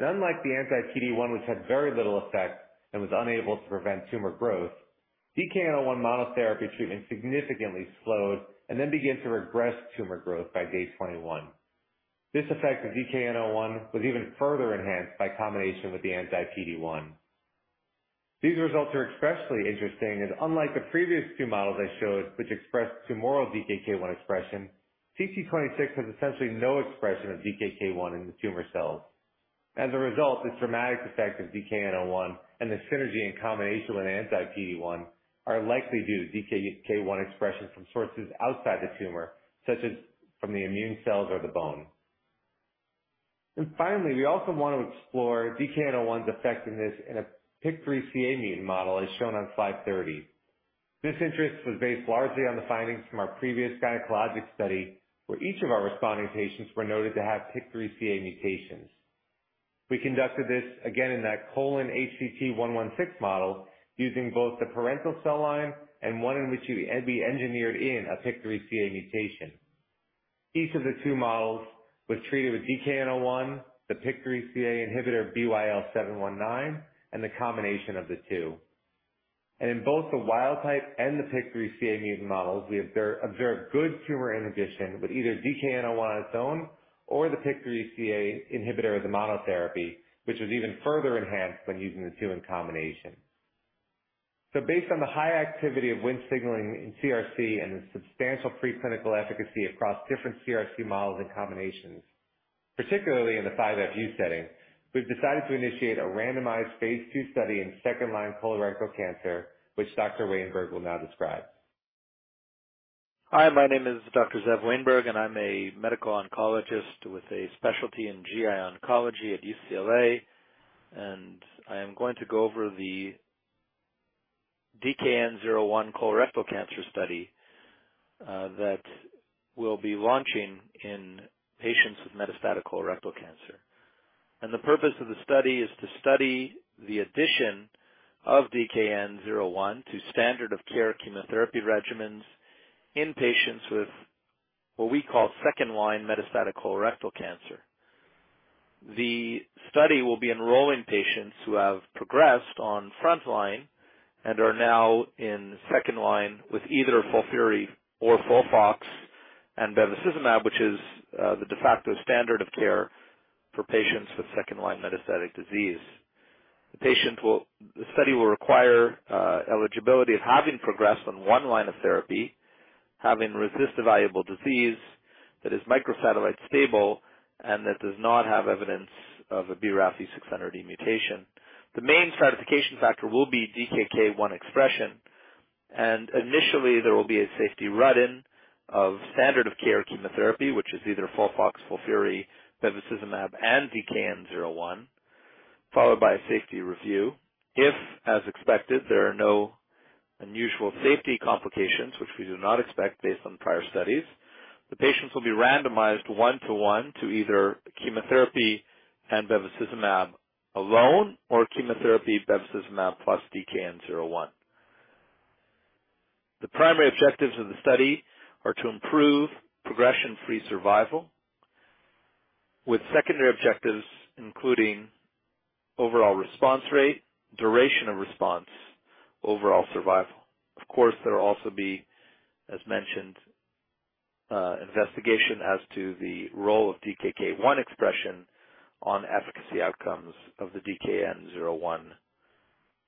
Unlike the anti-PD-1, which had very little effect and was unable to prevent tumor growth, DKN-01 monotherapy treatment significantly slowed and then began to regress tumor growth by day 21. This effect of DKN-01 was even further enhanced by combination with the anti-PD-1. These results are especially interesting as unlike the previous two models I showed which expressed tumoral DKK 1 expression, CT26 has essentially no expression of DKK 1 in the tumor cells. As a result, the dramatic effect of DKN-01 and the synergy in combination with anti-PD-1 are likely due to DKK 1 expression from sources outside the tumor, such as from the immune cells or the bone. Finally, we also want to explore DKN-01's effectiveness in a PIK3CA mutant model as shown on slide 30. This interest was based largely on the findings from our previous gynecologic study, where each of our responding patients were noted to have PIK3CA mutations. We conducted this again in that colon HCT116 model using both the parental cell line and one in which we engineered in a PIK3CA mutation. Each of the two models was treated with DKN-01, the PIK3CA inhibitor, BYL719, and the combination of the two. In both the wild type and the PIK3CA mutant models, we observed good tumor inhibition with either DKN-01 on its own or the PIK3CA inhibitor as a monotherapy, which was even further enhanced when using the two in combination. Based on the high activity of Wnt signaling in CRC and the substantial preclinical efficacy across different CRC models and combinations, particularly in the 5-FU setting, we've decided to initiate a randomized phase II study in second-line colorectal cancer, which Dr. Wainberg will now describe. Hi, my name is Dr. Zev Wainberg, and I'm a medical oncologist with a specialty in GI oncology at UCLA, and I am going to go over the DKN-01 colorectal cancer study, that we'll be launching in patients with metastatic colorectal cancer. The purpose of the study is to study the addition of DKN-01 to standard of care chemotherapy regimens in patients with what we call second-line metastatic colorectal cancer. The study will be enrolling patients who have progressed on front line and are now in second line with either FOLFIRI or FOLFOX and bevacizumab, which is, the de facto standard of care for patients with second-line metastatic disease. The study will require eligibility of having progressed on 1 line of therapy, having RECIST-evaluable disease that is microsatellite stable and that does not have evidence of a BRAFV600E mutation. The main stratification factor will be DKK 1 expression, and initially there will be a safety run-in of standard of care chemotherapy, which is either FOLFOX, FOLFIRI, bevacizumab and DKN-01, followed by a safety review. If, as expected, there are no unusual safety complications, which we do not expect based on prior studies, the patients will be randomized 1:1 to either chemotherapy and bevacizumab alone or chemotherapy bevacizumab plus DKN-01. The primary objectives of the study are to improve progression-free survival with secondary objectives, including overall response rate, duration of response, overall survival. Of course, there will also be, as mentioned, investigation as to the role of DKK 1 expression on efficacy outcomes of the DKN-01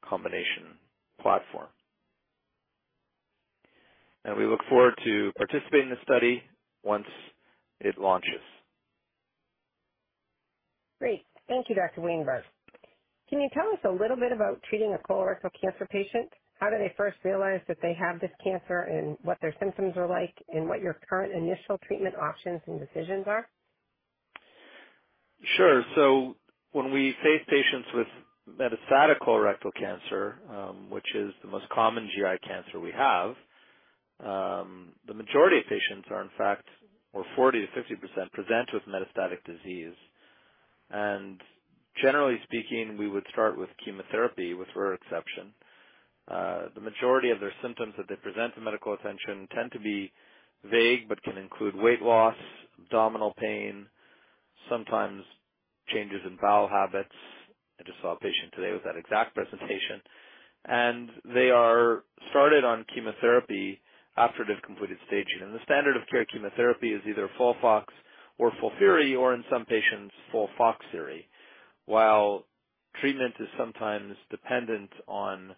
combination platform. We look forward to participating in the study once it launches. Great. Thank you, Dr. Wainberg. Can you tell us a little bit about treating a colorectal cancer patient? How do they first realize that they have this cancer and what their symptoms are like and what your current initial treatment options and decisions are? Sure. When we face patients with metastatic colorectal cancer, which is the most common GI cancer we have, the majority of patients are in fact, or 40%-50% present with metastatic disease. Generally speaking, we would start with chemotherapy with rare exception. The majority of their symptoms that they present to medical attention tend to be vague, but can include weight loss, abdominal pain, sometimes changes in bowel habits. I just saw a patient today with that exact presentation, and they are started on chemotherapy after they've completed staging. The standard of care chemotherapy is either FOLFOX or FOLFIRI or in some patients FOLFOXIRI. While treatment is sometimes dependent on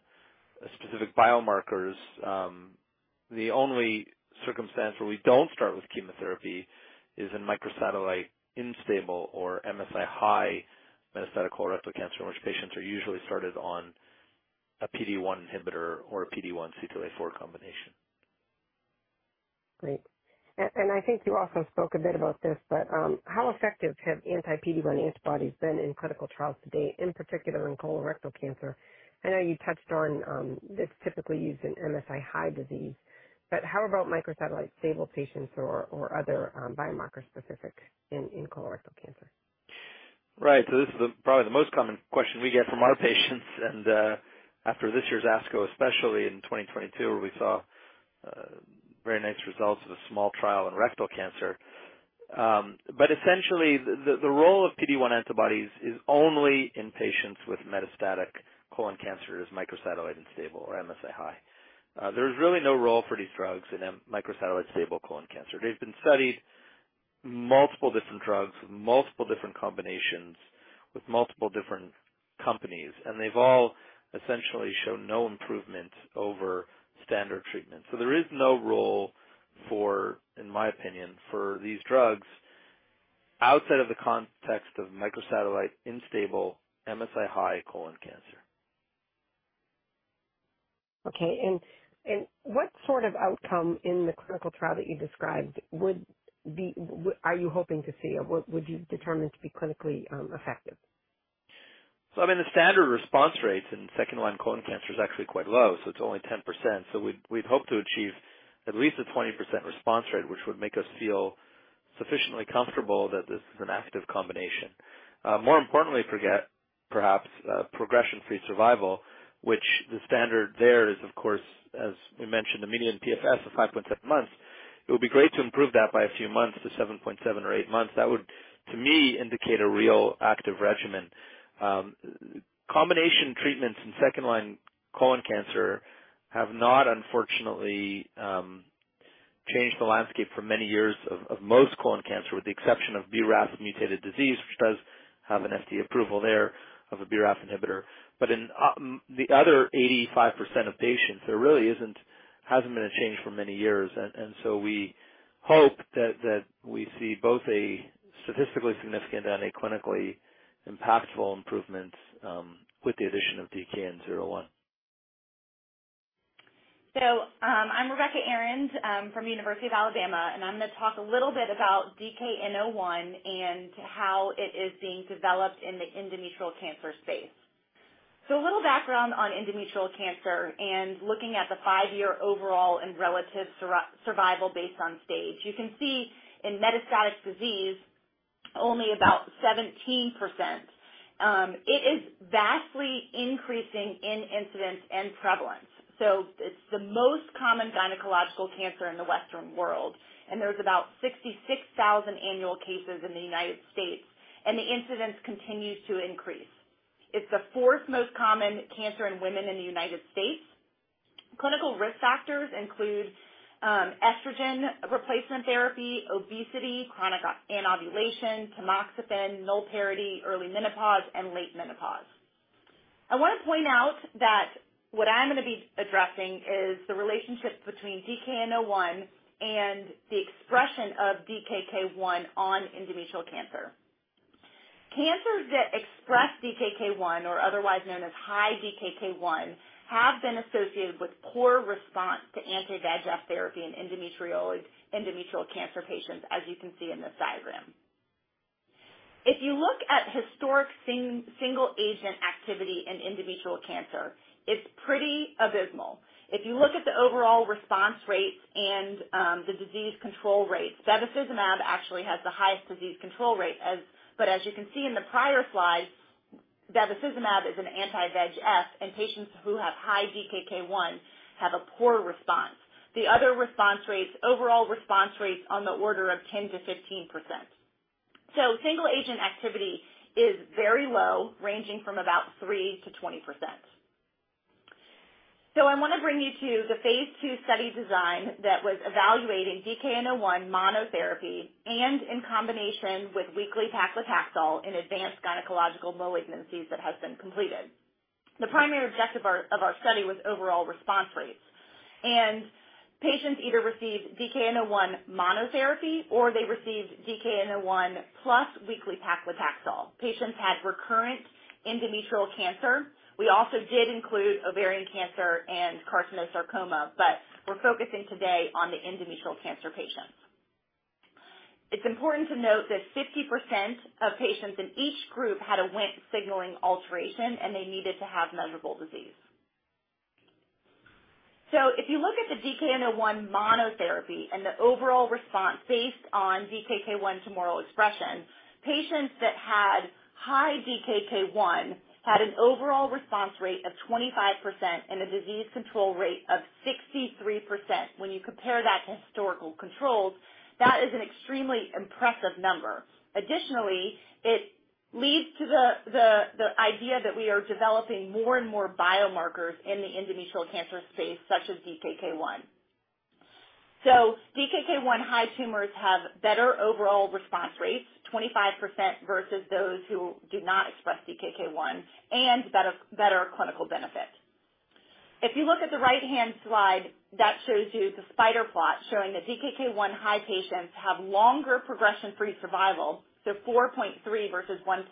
specific biomarkers, the only circumstance where we don't start with chemotherapy is in microsatellite unstable or MSI-high metastatic colorectal cancer in which patients are usually started on a PD-1 inhibitor or a PD-1 CTLA-4 combination. Great. I think you also spoke a bit about this, but how effective have anti-PD-1 antibodies been in clinical trials to date, in particular in colorectal cancer? I know you touched on that it's typically used in MSI-high disease, but how about microsatellite stable patients or other biomarker specifics in colorectal cancer? Right. This is probably the most common question we get from our patients and, after this year's ASCO especially in 2022 where we saw, very nice results of a small trial in rectal cancer. Essentially the role of PD-1 antibodies is only in patients with metastatic colon cancer as microsatellite unstable or MSI-high. There's really no role for these drugs in microsatellite stable colon cancer. They've been studied. Multiple different drugs, multiple different combinations with multiple different companies, and they've all essentially shown no improvement over standard treatment. There is no role for, in my opinion, for these drugs outside of the context of microsatellite unstable MSI-high colon cancer. Okay. What sort of outcome in the clinical trial that you described are you hoping to see or what would you determine to be clinically effective? I mean, the standard response rates in second-line colon cancer is actually quite low, so it's only 10%. We'd hope to achieve at least a 20% response rate, which would make us feel sufficiently comfortable that this is an active combination. More importantly, forget perhaps progression-free survival, which the standard there is of course, as we mentioned, a median PFS of 5.7 months. It would be great to improve that by a few months to 7.7 or 8 months. That would, to me, indicate a real active regimen. Combination treatments in second-line colon cancer have not, unfortunately, changed the landscape for many years of most colon cancer, with the exception of BRAF-mutated disease, which does have an FDA approval there of a BRAF inhibitor. In the other 85% of patients, there really hasn't been a change for many years. So we hope that we see both a statistically significant and a clinically impactful improvement with the addition of DKN-01. I'm Rebecca Arend from University of Alabama at Birmingham, and I'm gonna talk a little bit about DKN01 and how it is being developed in the endometrial cancer space. A little background on endometrial cancer and looking at the five-year overall and relative survival based on stage. You can see in metastatic disease only about 17%. It is vastly increasing in incidence and prevalence. It's the most common gynecological cancer in the Western world. There's about 66,000 annual cases in the United States, and the incidence continues to increase. It's the fourth most common cancer in women in the United States. Clinical risk factors include estrogen replacement therapy, obesity, chronic anovulation, tamoxifen, null parity, early menopause, and late menopause. I want to point out that what I'm going to be addressing is the relationship between DKN-01 and the expression of DKK 1 on endometrial cancer. Cancers that express DKK 1, or otherwise known as high DKK 1, have been associated with poor response to anti-VEGF therapy in endometrial cancer patients, as you can see in this diagram. If you look at historic single agent activity in endometrial cancer, it's pretty abysmal. If you look at the overall response rates and the disease control rates, bevacizumab actually has the highest disease control rate. But as you can see in the prior slides, bevacizumab is an anti-VEGF, and patients who have high DKK 1 have a poor response. The other response rates, overall response rates on the order of 10%-15%. Single agent activity is very low, ranging from about 3%-20%. I want to bring you to the phase II study design that was evaluating DKN-01 monotherapy and in combination with weekly paclitaxel in advanced gynecological malignancies that has been completed. The primary objective of our study was overall response rates, and patients either received DKN-01 monotherapy or they received DKN-01 plus weekly paclitaxel. Patients had recurrent endometrial cancer. We also did include ovarian cancer and carcinosarcoma, but we're focusing today on the endometrial cancer patients. It's important to note that 50% of patients in each group had a Wnt signaling alteration, and they needed to have measurable disease. If you look at the DKN-01 monotherapy and the overall response based on DKK 1 tumoral expression, patients that had high DKK 1 had an overall response rate of 25% and a disease control rate of 63%. When you compare that to historical controls, that is an extremely impressive number. Additionally, it leads to the idea that we are developing more and more biomarkers in the endometrial cancer space, such as DKK 1. DKK 1 high tumors have better overall response rates, 25% versus those who do not express DKK 1 and better clinical benefit. If you look at the right-hand slide, that shows you the spider plot showing that DKK 1 high patients have longer progression-free survival, so 4.3 versus 1.8.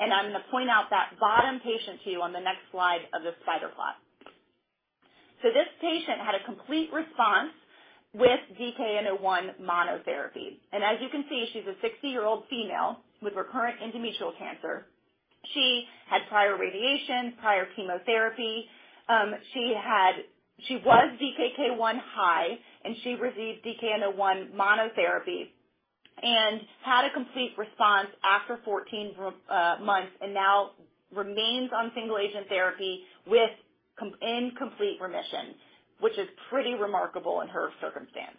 I'm going to point out that bottom patient to you on the next slide of this spider plot. This patient had a complete response with DKN-01 monotherapy. As you can see, she's a 60-year-old female with recurrent endometrial cancer. She had prior radiation, prior chemotherapy. She was DKK 1 high, and she received DKN-01 monotherapy and had a complete response after 14 months and now remains on single agent therapy in complete remission, which is pretty remarkable in her circumstance.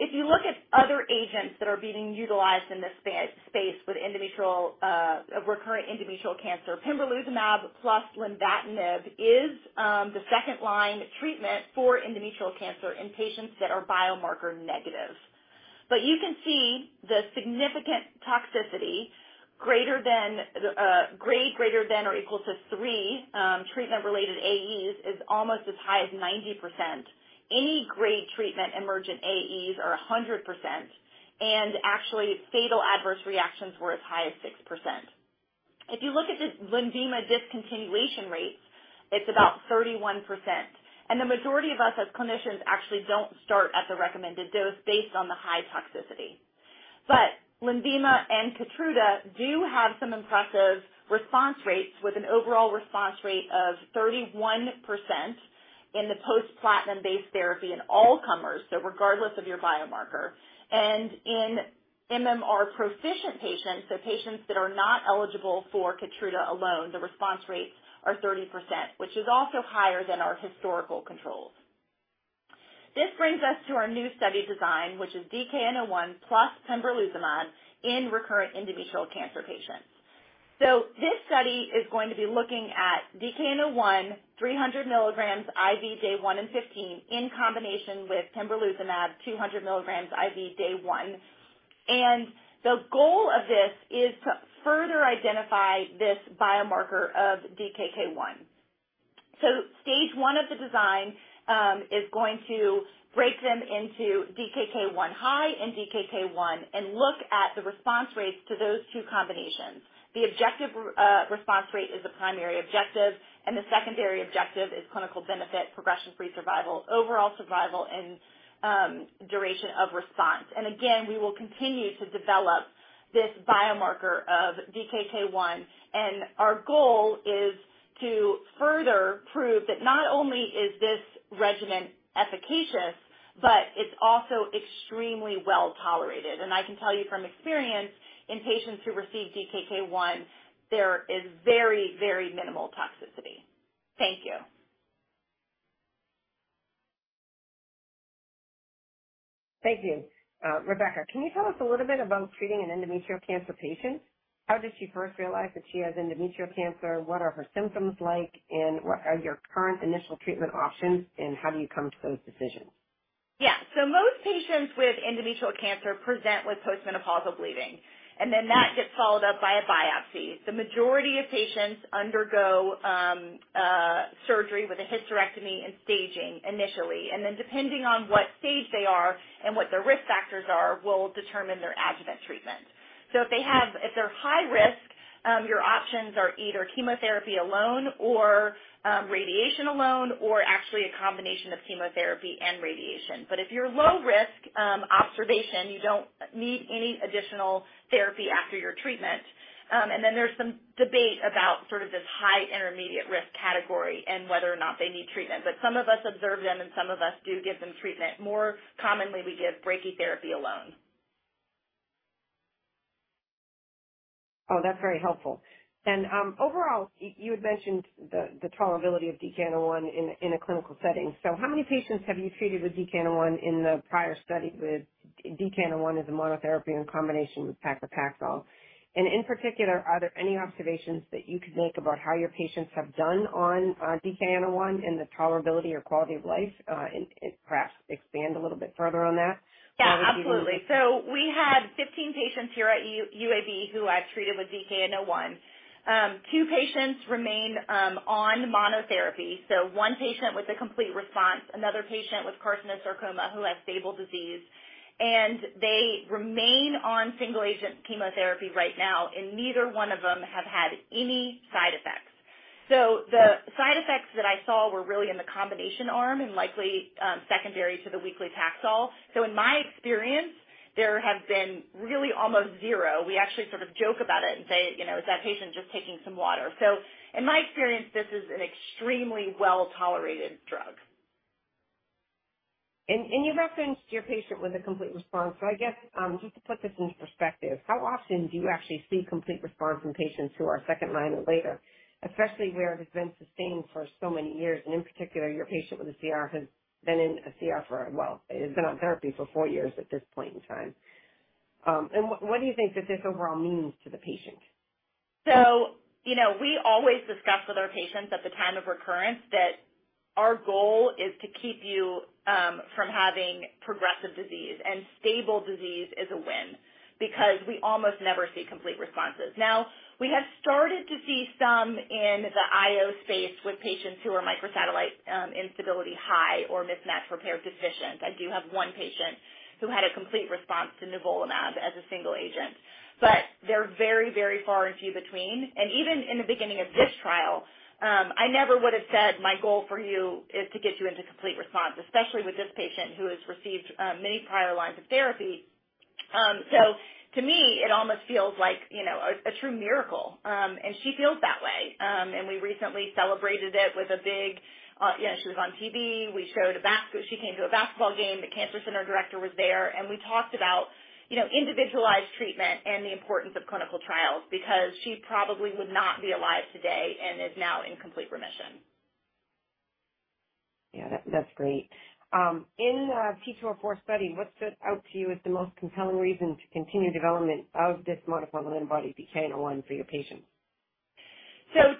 If you look at other agents that are being utilized in this space with endometrial or recurrent endometrial cancer. Pembrolizumab plus lenvatinib is the second-line treatment for endometrial cancer in patients that are biomarker negative. You can see the significant toxicity grade greater than or equal to three treatment-related AEs is almost as high as 90%. Any grade treatment emergent AEs are 100%, and actually fatal adverse reactions were as high as 6%. If you look at the LENVIMA discontinuation rate, it's about 31%. The majority of us as clinicians actually don't start at the recommended dose based on the high toxicity. LENVIMA and KEYTRUDA do have some impressive response rates, with an overall response rate of 31% in the post platinum-based therapy in all comers, so regardless of your biomarker. In MMR-proficient patients, so patients that are not eligible for KEYTRUDA alone, the response rates are 30%, which is also higher than our historical controls. This brings us to our new study design, which is DKN-01 plus pembrolizumab in recurrent endometrial cancer patients. This study is going to be looking at DKN-01, 300 mg IV day one and 15 in combination with pembrolizumab, 200 mg IV day one. The goal of this is to further identify this biomarker of DKK1. Stage I of the design is going to break them into DKK 1 high and DKK 1 and look at the response rates to those two combinations. The objective response rate is the primary objective and the secondary objective is clinical benefit, progression-free survival, overall survival, and duration of response. We will continue to develop this biomarker of DKK 1, and our goal is to further prove that not only is this regimen efficacious, but it's also extremely well-tolerated. I can tell you from experience in patients who receive DKK 1, there is very, very minimal toxicity. Thank you. Thank you. Rebecca, can you tell us a little bit about treating an endometrial cancer patient? How does she first realize that she has endometrial cancer? What are her symptoms like? What are your current initial treatment options, and how do you come to those decisions? Yeah. Most patients with endometrial cancer present with post-menopausal bleeding, and then that gets followed up by a biopsy. The majority of patients undergo surgery with a hysterectomy and staging initially, and then depending on what stage they are and what their risk factors are, will determine their adjuvant treatment. If they have if they're high risk, your options are either chemotherapy alone or radiation alone, or actually a combination of chemotherapy and radiation. If you're low risk, observation, you don't need any additional therapy after your treatment. There's some debate about sort of this high intermediate risk category and whether or not they need treatment. Some of us observe them and some of us do give them treatment. More commonly, we give brachytherapy alone. Oh, that's very helpful. Overall, you had mentioned the tolerability of DKN-01 in a clinical setting. How many patients have you treated with DKN-01 in the prior study with DKN-01 as a monotherapy in combination with paclitaxel? In particular, are there any observations that you could make about how your patients have done on DKN-01 and the tolerability or quality of life? And perhaps expand a little bit further on that. Yeah, absolutely. We have 15 patients here at UAB who I've treated with DKN-01. Two patients remain on monotherapy. One patient with a complete response, another patient with carcinosarcoma who has stable disease, and they remain on single agent chemotherapy right now, and neither one of them have had any side effects. The side effects that I saw were really in the combination arm and likely secondary to the weekly Taxol. In my experience, there have been really almost zero. We actually sort of joke about it and say, "You know, is that patient just taking some water?" In my experience, this is an extremely well-tolerated drug. You referenced your patient with a complete response. I guess, just to put this into perspective, how often do you actually see complete response in patients who are second line or later, especially where it has been sustained for so many years, and in particular, your patient with a CR has been in a CR for a while. It's been on therapy for four years at this point in time. What do you think that this overall means to the patient? You know, we always discuss with our patients at the time of recurrence that our goal is to keep you from having progressive disease and stable disease is a win because we almost never see complete responses. Now, we have started to see some in the IO space with patients who are microsatellite instability high or mismatch repair deficient. I do have one patient who had a complete response to nivolumab as a single agent, but they're very, very far and few between. Even in the beginning of this trial, I never would have said my goal for you is to get you into complete response, especially with this patient who has received many prior lines of therapy. To me, it almost feels like a true miracle. She feels that way. We recently celebrated it with a big, you know, she was on TV, she came to a basketball game. The cancer center director was there, and we talked about, you know, individualized treatment and the importance of clinical trials because she probably would not be alive today and is now in complete remission. Yeah, that's great. In the P204 study, what stood out to you as the most compelling reason to continue development of this monoclonal antibody DKN-01 for your patients?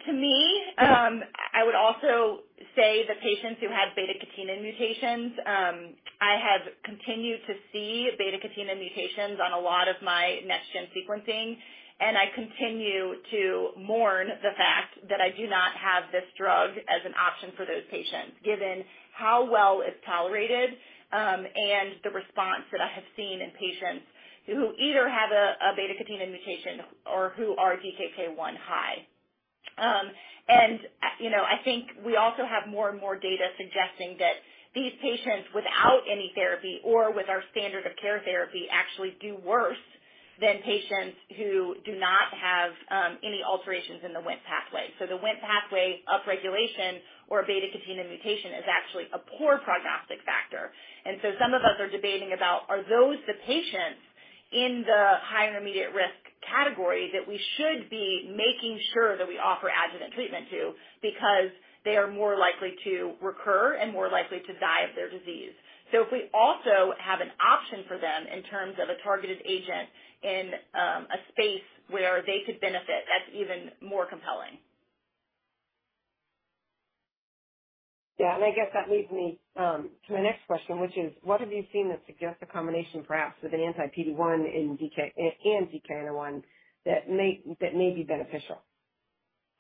To me, I would also say the patients who had beta-catenin mutations. I have continued to see beta-catenin mutations on a lot of my next-gen sequencing, and I continue to mourn the fact that I do not have this drug as an option for those patients, given how well it's tolerated, and the response that I have seen in patients who either have a beta-catenin mutation or who are DKK 1 high. You know, I think we also have more and more data suggesting that these patients, without any therapy or with our standard of care therapy, actually do worse than patients who do not have any alterations in the Wnt pathway. The Wnt pathway upregulation or beta-catenin mutation is actually a poor prognostic factor. Some of us are debating about, are those the patients in the high and intermediate risk category that we should be making sure that we offer adjuvant treatment to because they are more likely to recur and more likely to die of their disease. If we also have an option for them in terms of a targeted agent in a space where they could benefit, that's even more compelling. Yeah. I guess that leads me to my next question, which is: What have you seen that suggests a combination, perhaps, with an anti-PD-1 and DKN-01 that may be beneficial?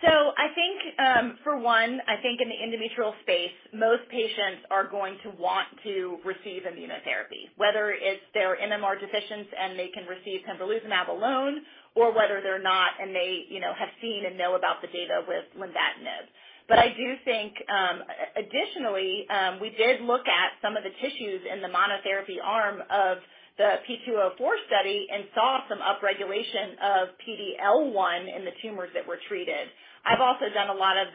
I think, for one, I think in the individual space, most patients are going to want to receive immunotherapy, whether it's they're MMR deficient and they can receive pembrolizumab alone or whether they're not and they, you know, have seen and know about the data with lenvatinib. I do think, additionally, we did look at some of the tissues in the monotherapy arm of the P204 study and saw some upregulation of PD-L1 in the tumors that were treated. I've also done a lot of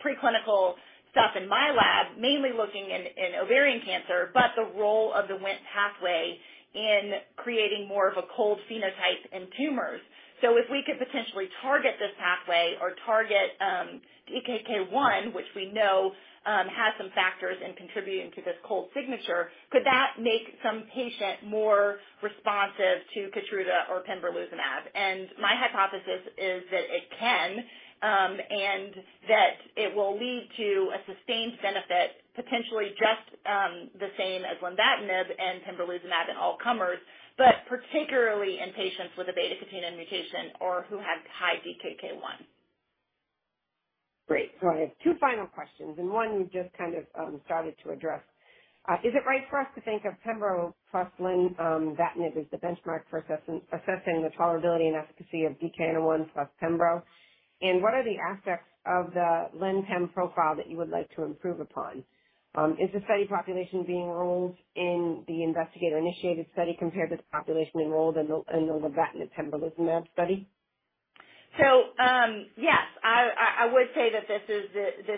preclinical stuff in my lab, mainly looking in ovarian cancer, but the role of the Wnt pathway in creating more of a cold phenotype in tumors. If we could potentially target this pathway or target DKK 1, which we know has some factors in contributing to this cold signature, could that make some patient more responsive to KEYTRUDA or pembrolizumab? My hypothesis is that it can, and that it will lead to a sustained benefit, potentially just the same as lenvatinib and pembrolizumab in all comers, but particularly in patients with a beta-catenin mutation or who have high DKK 1. Great. I have two final questions, and one you just kind of started to address. Is it right for us to think of pembro plus lenvatinib as the benchmark for assessing the tolerability and efficacy of DKN-01 plus pembro? What are the aspects of the len/pem profile that you would like to improve upon? Is the study population being enrolled in the investigator-initiated study compared to the population enrolled in the lenvatinib pembrolizumab study? Yes, I would say that this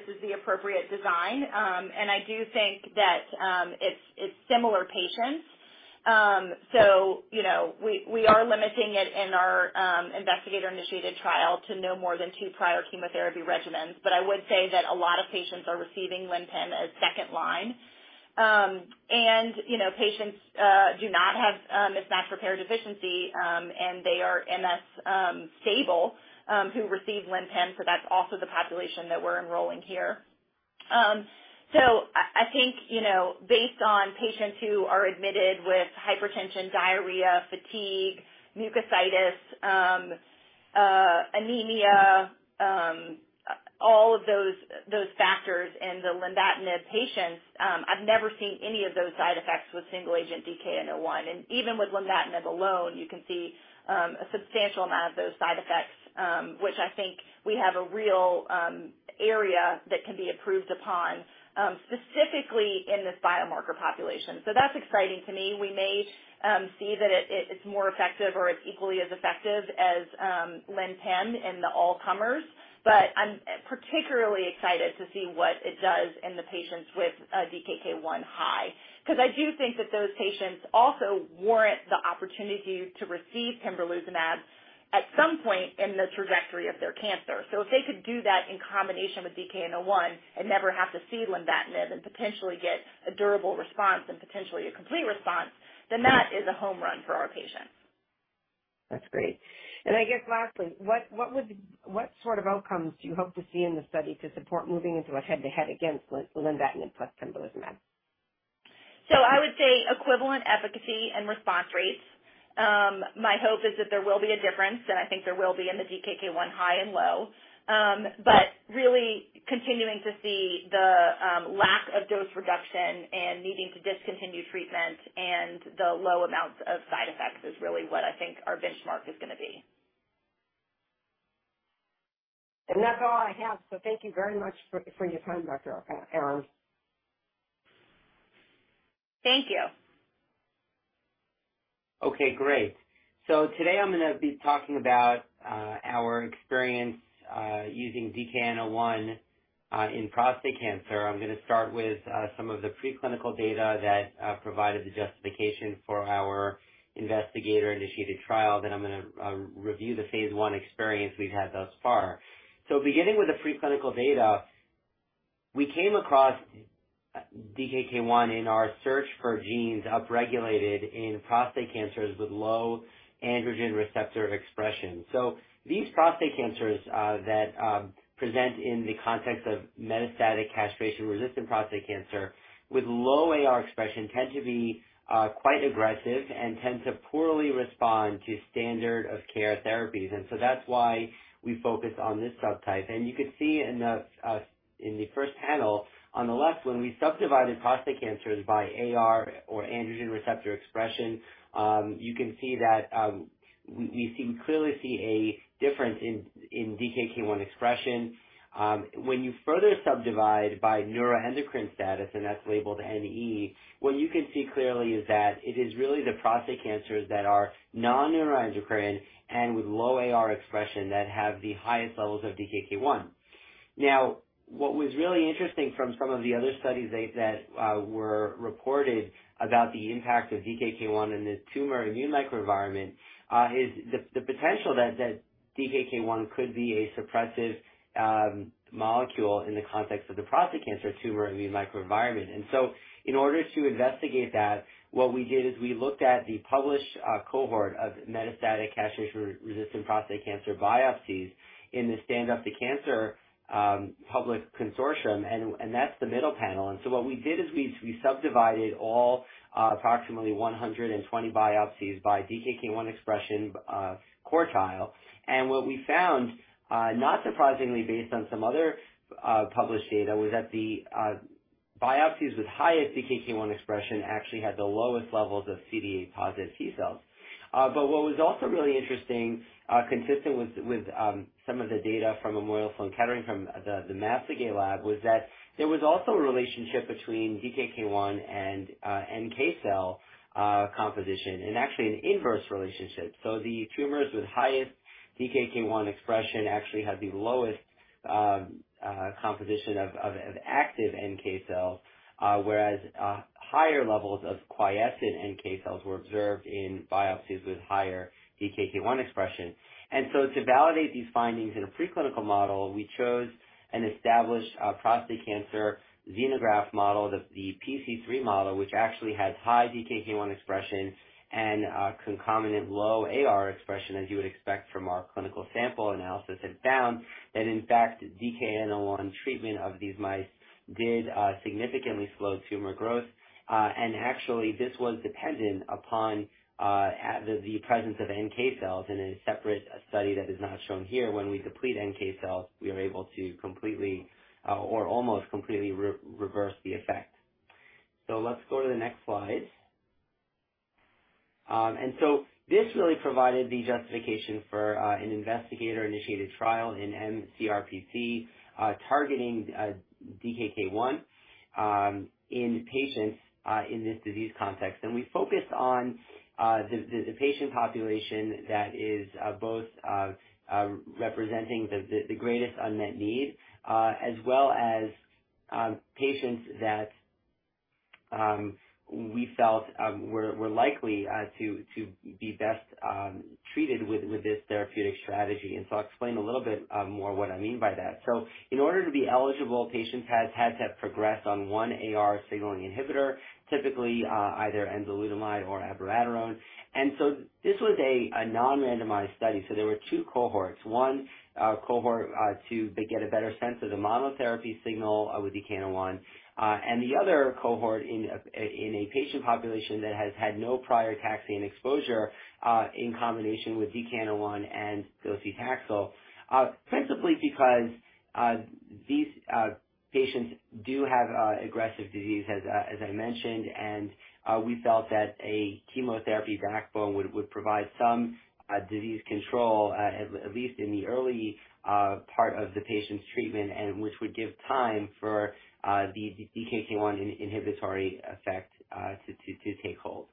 is the appropriate design. I do think that it's similar patients. You know, we are limiting it in our investigator-initiated trial to no more than two prior chemotherapy regimens. I would say that a lot of patients are receiving len/pem as second-line. You know, patients do not have mismatch repair deficiency, and they are MSS who receive len/pem. That's also the population that we're enrolling here. I think, you know, based on patients who are admitted with hypertension, diarrhea, fatigue, mucositis, anemia, all of those factors in the lenvatinib patients, I've never seen any of those side effects with single-agent DKN-01. Even with lenvatinib alone, you can see a substantial amount of those side effects, which I think we have a real area that can be improved upon, specifically in this biomarker population. That's exciting to me. We may see that it's more effective or it's equally as effective as len/pem in the all comers, but I'm particularly excited to see what it does in the patients with DKK 1 high. Because I do think that those patients also warrant the opportunity to receive pembrolizumab at some point in the trajectory of their cancer. If they could do that in combination with DKN-01 and never have to see lenvatinib and potentially get a durable response and potentially a complete response, then that is a home run for our patients. That's great. I guess lastly, what sort of outcomes do you hope to see in the study to support moving into a head-to-head against lenvatinib plus pembrolizumab? I would say equivalent efficacy and response rates. My hope is that there will be a difference, and I think there will be in the DKK 1 high and low. Really continuing to see the lack of dose reduction and needing to discontinue treatment and the low amounts of side effects is really what I think our benchmark is gonna be. That's all I have, so thank you very much for your time, Dr. Arend. Thank you. Okay, great. Today I'm gonna be talking about our experience using DKN-01 in prostate cancer. I'm gonna start with some of the preclinical data that provided the justification for our investigator-initiated trial. I'm gonna review the phase one experience we've had thus far. Beginning with the preclinical data, we came across DKK 1 in our search for genes upregulated in prostate cancers with low androgen receptor expression. These prostate cancers that present in the context of metastatic castration-resistant prostate cancer with low AR expression tend to be quite aggressive and tend to poorly respond to standard of care therapies. That's why we focus on this subtype. You can see in the first panel on the left, when we subdivided prostate cancers by AR or androgen receptor expression, you can see that we clearly see a difference in DKK 1 expression. When you further subdivide by neuroendocrine status, and that's labeled NE, what you can see clearly is that it is really the prostate cancers that are non-neuroendocrine and with low AR expression that have the highest levels of DKK 1. Now, what was really interesting from some of the other studies that were reported about the impact of DKK 1 in the tumor immune microenvironment is the potential that DKK 1 could be a suppressive molecule in the context of the prostate cancer tumor immune microenvironment. In order to investigate that, what we did is we looked at the published cohort of metastatic castration-resistant prostate cancer biopsies in the Stand Up to Cancer public consortium and that's the middle panel. What we did is we subdivided all approximately 120 biopsies by DKK 1 expression quartile. What we found not surprisingly, based on some other published data, was that the biopsies with highest 1 expression actually had the lowest levels of CD8+ T cells. But what was also really interesting, consistent with some of the data from Memorial Sloan Kettering from the Massagué Lab, was that there was also a relationship between DKK 1 and NK cell composition, and actually an inverse relationship. The tumors with highest DKK 1 expression actually had the lowest composition of active NK cells. Whereas higher levels of quiescent NK cells were observed in biopsies with higher DKK 1 expression. To validate these findings in a preclinical model, we chose an established prostate cancer xenograft model, the PC3 model, which actually has high DKK 1 expression and concomitant low AR expression, as you would expect from our clinical sample analysis, and found that in fact, DKN-01 treatment of these mice did significantly slow tumor growth. Actually this was dependent upon the presence of NK cells in a separate study that is not shown here. When we deplete NK cells, we are able to completely or almost completely reverse the effect. Let's go to the next slide. This really provided the justification for an investigator-initiated trial in mCRPC targeting DKK 1 in patients in this disease context. We focused on the patient population that is both representing the greatest unmet need as well as patients that we felt were likely to be best treated with this therapeutic strategy. I'll explain a little bit more what I mean by that. In order to be eligible, patients had to have progressed on one AR signaling inhibitor, typically either enzalutamide or abiraterone. This was a non-randomized study. There were two cohorts. One cohort to get a better sense of the monotherapy signal with DKN-01, and the other cohort in a patient population that has had no prior taxane exposure in combination with DKN-01 and docetaxel. Principally because these patients do have aggressive disease, as I mentioned, and we felt that a chemotherapy backbone would provide some disease control at least in the early part of the patient's treatment and which would give time for the DKK 1 inhibitory effect to take hold.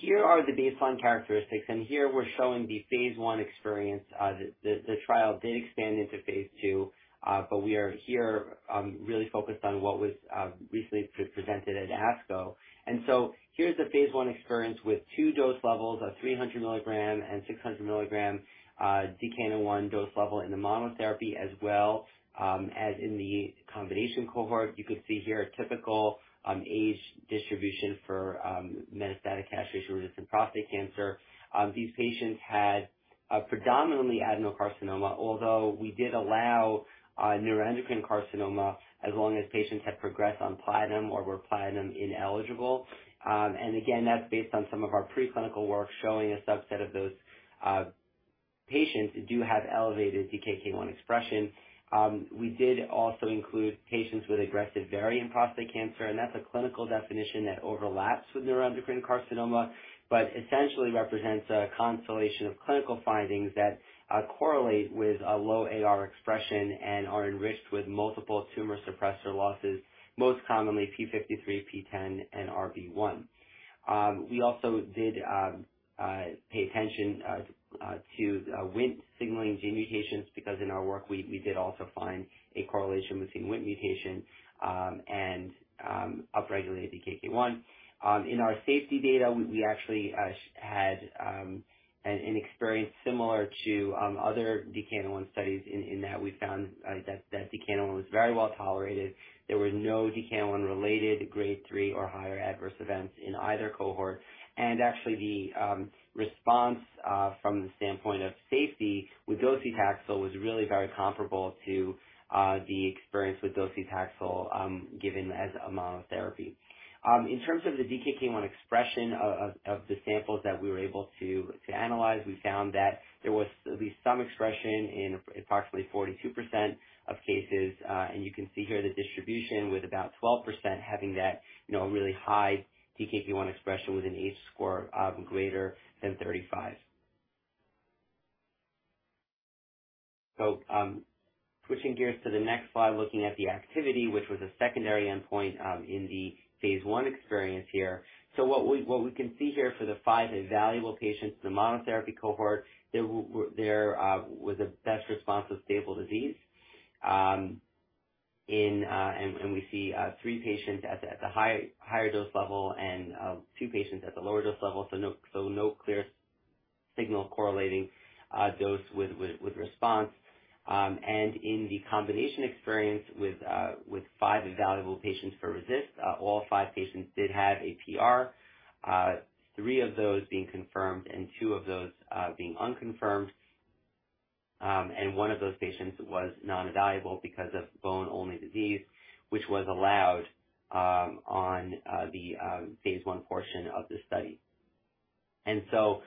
Here are the baseline characteristics, and here we're showing the phase I experience. The trial did expand into phase II, but we are here really focused on what was recently presented at ASCO. Here's the phase I experience with two dose levels of 300 mg and 600 mg, DKN-01 dose level in the monotherapy as well, as in the combination cohort. You can see here a typical age distribution for metastatic castration-resistant prostate cancer. These patients had a predominantly adenocarcinoma, although we did allow neuroendocrine carcinoma as long as patients had progressed on platinum or were platinum ineligible. Again, that's based on some of our preclinical work showing a subset of those patients do have elevated DKK 1 expression. We did also include patients with aggressive variant prostate cancer, and that's a clinical definition that overlaps with neuroendocrine carcinoma, but essentially represents a constellation of clinical findings that correlate with a low AR expression and are enriched with multiple tumor suppressor losses, most commonly TP53, PTEN, and RB1. We also did pay attention to Wnt signaling gene mutations because in our work we did also find a correlation between Wnt mutation and upregulated 1. In our safety data, we actually had an experience similar to other DKN-01 studies in that we found that DKN-01 was very well tolerated. There were no DKN-01-related Grade 3 or higher adverse events in either cohort. Actually, the response from the standpoint of safety with docetaxel was really very comparable to the experience with docetaxel given as a monotherapy. In terms of the DKK 1 expression of the samples that we were able to analyze, we found that there was at least some expression in approximately 42% of cases. You can see here the distribution with about 12% having that, you know, really high 1 expression with an H-score of greater than 35. Pushing gears to the next slide, looking at the activity, which was a secondary endpoint, in the phase I experience here. What we can see here for the five evaluable patients in the monotherapy cohort, there was a best response of stable disease. We see three patients at the higher dose level and two patients at the lower dose level, so no clear signal correlating dose with response. In the combination experience with five evaluable patients for RECIST, all five patients did have a PR, three of those being confirmed and two of those being unconfirmed. One of those patients was non-evaluable because of bone-only disease, which was allowed on the phase I portion of the study. To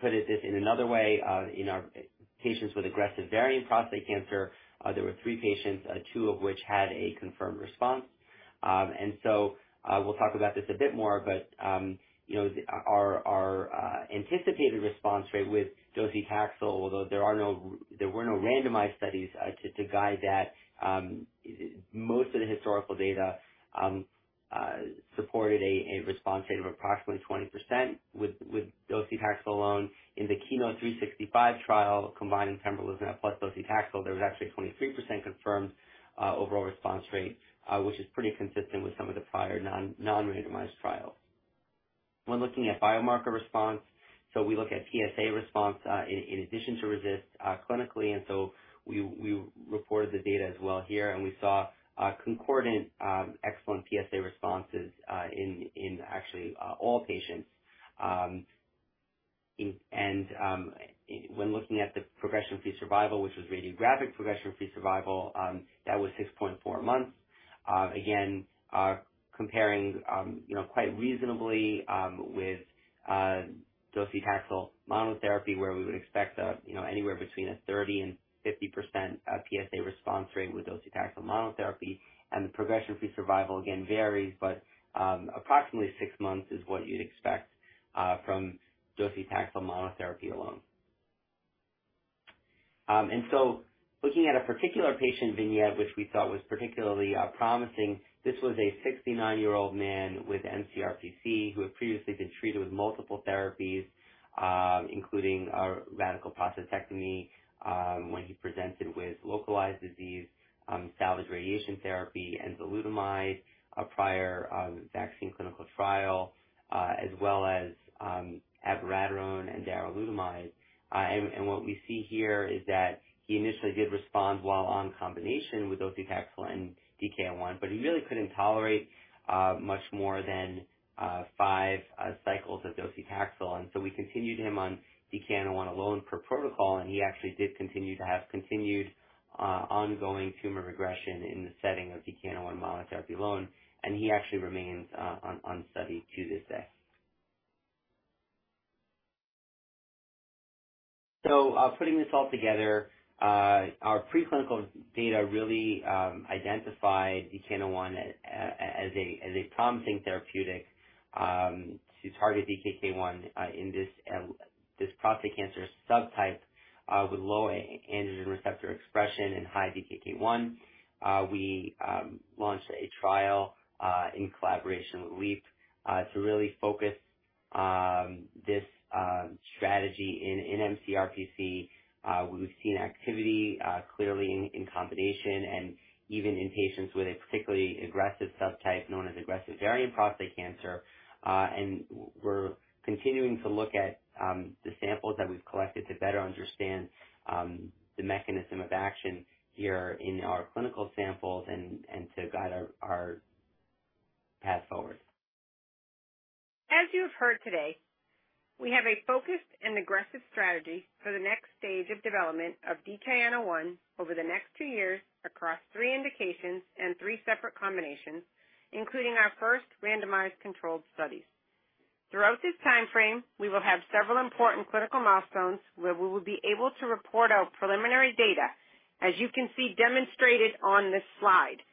put it this in another way, in our patients with aggressive variant prostate cancer, there were three patients, two of which had a confirmed response. We'll talk about this a bit more, but you know, our anticipated response rate with docetaxel, although there were no randomized studies to guide that, most of the historical data supported a response rate of approximately 20% with docetaxel alone. In the KEYNOTE-365 trial combining pembrolizumab plus docetaxel, there was actually a 23% confirmed overall response rate, which is pretty consistent with some of the prior non-randomized trials. When looking at biomarker response, we look at PSA response in addition to RECIST clinically, and we reported the data as well here, and we saw concordant excellent PSA responses in actually all patients. When looking at the progression-free survival, which was radiographic progression-free survival, that was 6.4 months. Again, comparing you know, quite reasonably, with docetaxel monotherapy, where we would expect a, you know, anywhere between a 30%-50% PSA response rate with docetaxel monotherapy. The progression-free survival again varies, but approximately six months is what you'd expect from docetaxel monotherapy alone. Looking at a particular patient vignette, which we thought was particularly promising, this was a 69-year-old man with mCRPC who had previously been treated with multiple therapies, including radical prostatectomy when he presented with localized disease, salvage radiation therapy and enzalutamide, a prior vaccine clinical trial, as well as abiraterone and darolutamide. What we see here is that he initially did respond while on combination with docetaxel and DKN-01, but he really couldn't tolerate much more than five cycles of docetaxel. We continued him on DKN-01 alone per protocol, and he actually did continue to have ongoing tumor regression in the setting of DKN-01 monotherapy alone. He actually remains on study to this day. Putting this all together, our preclinical data really identified DKN-01 as a promising therapeutic to target DKK 1 in this prostate cancer subtype with low androgen receptor expression and high DKK 1. We launched a trial in collaboration with Leap to really focus this strategy in mCRPC, where we've seen activity clearly in combination and even in patients with a particularly aggressive subtype known as aggressive variant prostate cancer. We're continuing to look at the samples that we've collected to better understand the mechanism of action here in our clinical samples and to guide our path forward. As you have heard today, we have a focused and aggressive strategy for the next stage of development of DKN-01 over the next two years across three indications and three separate combinations, including our first randomized controlled studies. Throughout this timeframe, we will have several important clinical milestones where we will be able to report our preliminary data, as you can see demonstrated on this slide.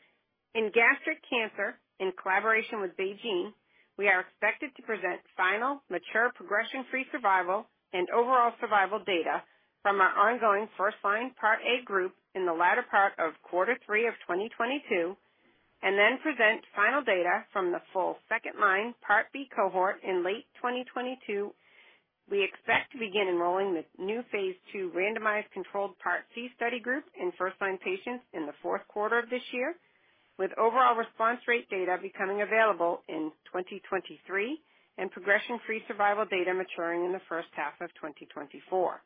In gastric cancer, in collaboration with BeiGene, we are expected to present final mature progression-free survival and overall survival data from our ongoing first-line Part A group in the latter part of quarter three of 2022. Present final data from the full second line Part B cohort in late 2022. We expect to begin enrolling the new phase II randomized controlled Part C study group in first-line patients in the fourth quarter of this year, with overall response rate data becoming available in 2023 and progression-free survival data maturing in the first half of 2024.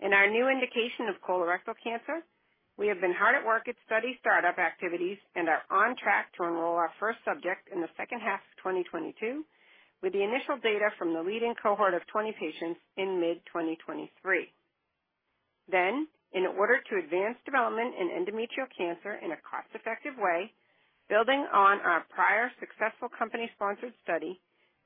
In our new indication of colorectal cancer, we have been hard at work at study start-up activities and are on track to enroll our first subject in the second half of 2022, with the initial data from the leading cohort of 20 patients in mid-2023. In order to advance development in endometrial cancer in a cost-effective way, building on our prior successful company sponsored study,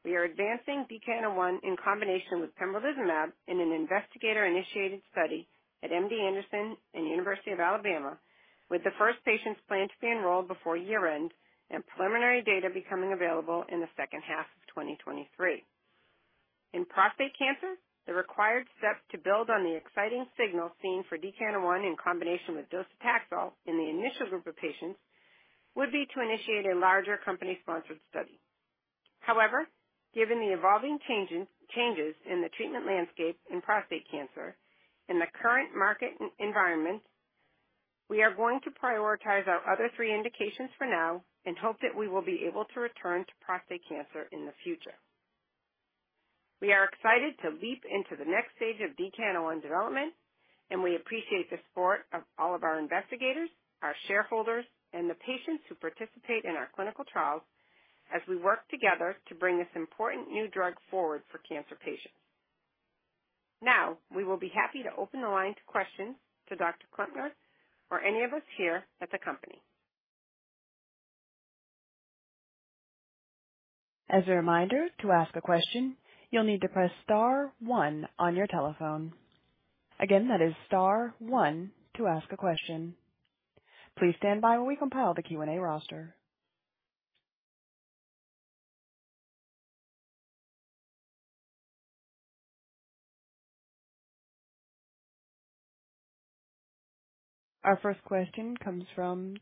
we are advancing DKN-01 in combination with pembrolizumab in an investigator-initiated study at MD Anderson and University of Alabama, with the first patients planned to be enrolled before year-end and preliminary data becoming available in the second half of 2023. In prostate cancer, the required steps to build on the exciting signal seen for DKN-01 in combination with docetaxel in the initial group of patients would be to initiate a larger company-sponsored study. However, given the evolving changes in the treatment landscape in prostate cancer and the current market environment, we are going to prioritize our other three indications for now and hope that we will be able to return to prostate cancer in the future. We are excited to leap into the next stage of DKN-01 development, and we appreciate the support of all of our investigators, our shareholders, and the patients who participate in our clinical trials as we work together to bring this important new drug forward for cancer patients. Now, we will be happy to open the line to questions to Dr. Klempner or any of us here at the company. As a reminder, to ask a question, you'll need to press star one on your telephone. Again, that is star one to ask a question. Please stand by while we compile the Q&A roster. Our first question comes from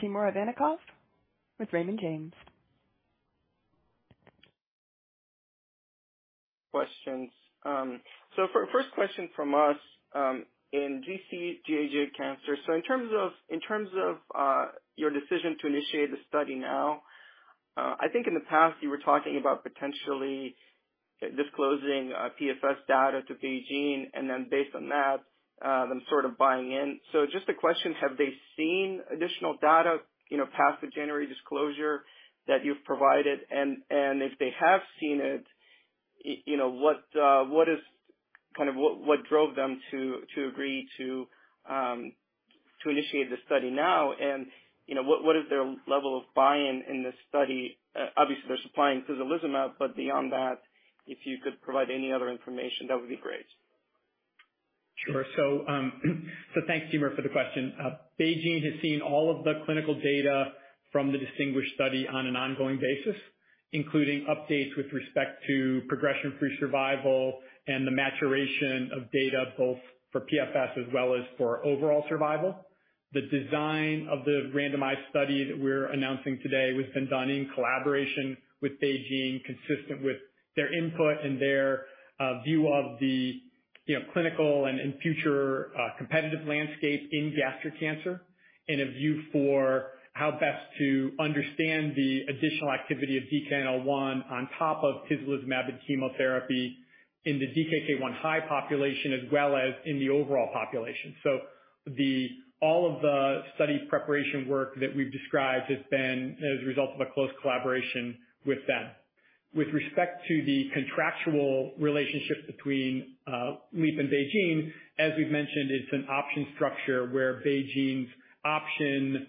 Timur Ivannikov with Raymond James. Questions. So first question from us, in G/GEJ cancer, so in terms of your decision to initiate the study now, I think in the past you were talking about potentially disclosing PFS data to BeiGene and then based on that, them sort of buying in. So just a question, have they seen additional data, you know, past the January disclosure that you've provided? And if they have seen it, you know, what drove them to agree to initiate the study now? And, you know, what is their level of buy-in in this study? Obviously, they're supplying tislelizumab, but beyond that, if you could provide any other information, that would be great. Sure. Thanks, Timur, for the question. BeiGene has seen all of the clinical data from the DisTinGuish study on an ongoing basis, including updates with respect to progression-free survival and the maturation of data both for PFS as well as for overall survival. The design of the randomized study that we're announcing today has been done in collaboration with BeiGene, consistent with their input and their view of the, you know, clinical and future competitive landscape in gastric cancer, and a view for how best to understand the additional activity of DKN-01 on top of tislelizumab and chemotherapy in the DKK 1 high population as well as in the overall population. All of the study preparation work that we've described has been as a result of a close collaboration with them. With respect to the contractual relationship between Leap and BeiGene, as we've mentioned, it's an option structure where BeiGene's option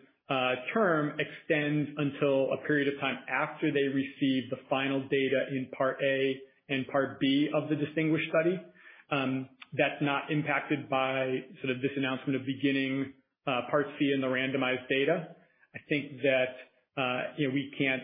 term extends until a period of time after they receive the final data in Part A and Part B of the DisTinGuish study. That's not impacted by sort of this announcement of beginning Part C in the randomized data. I think that you know, we can't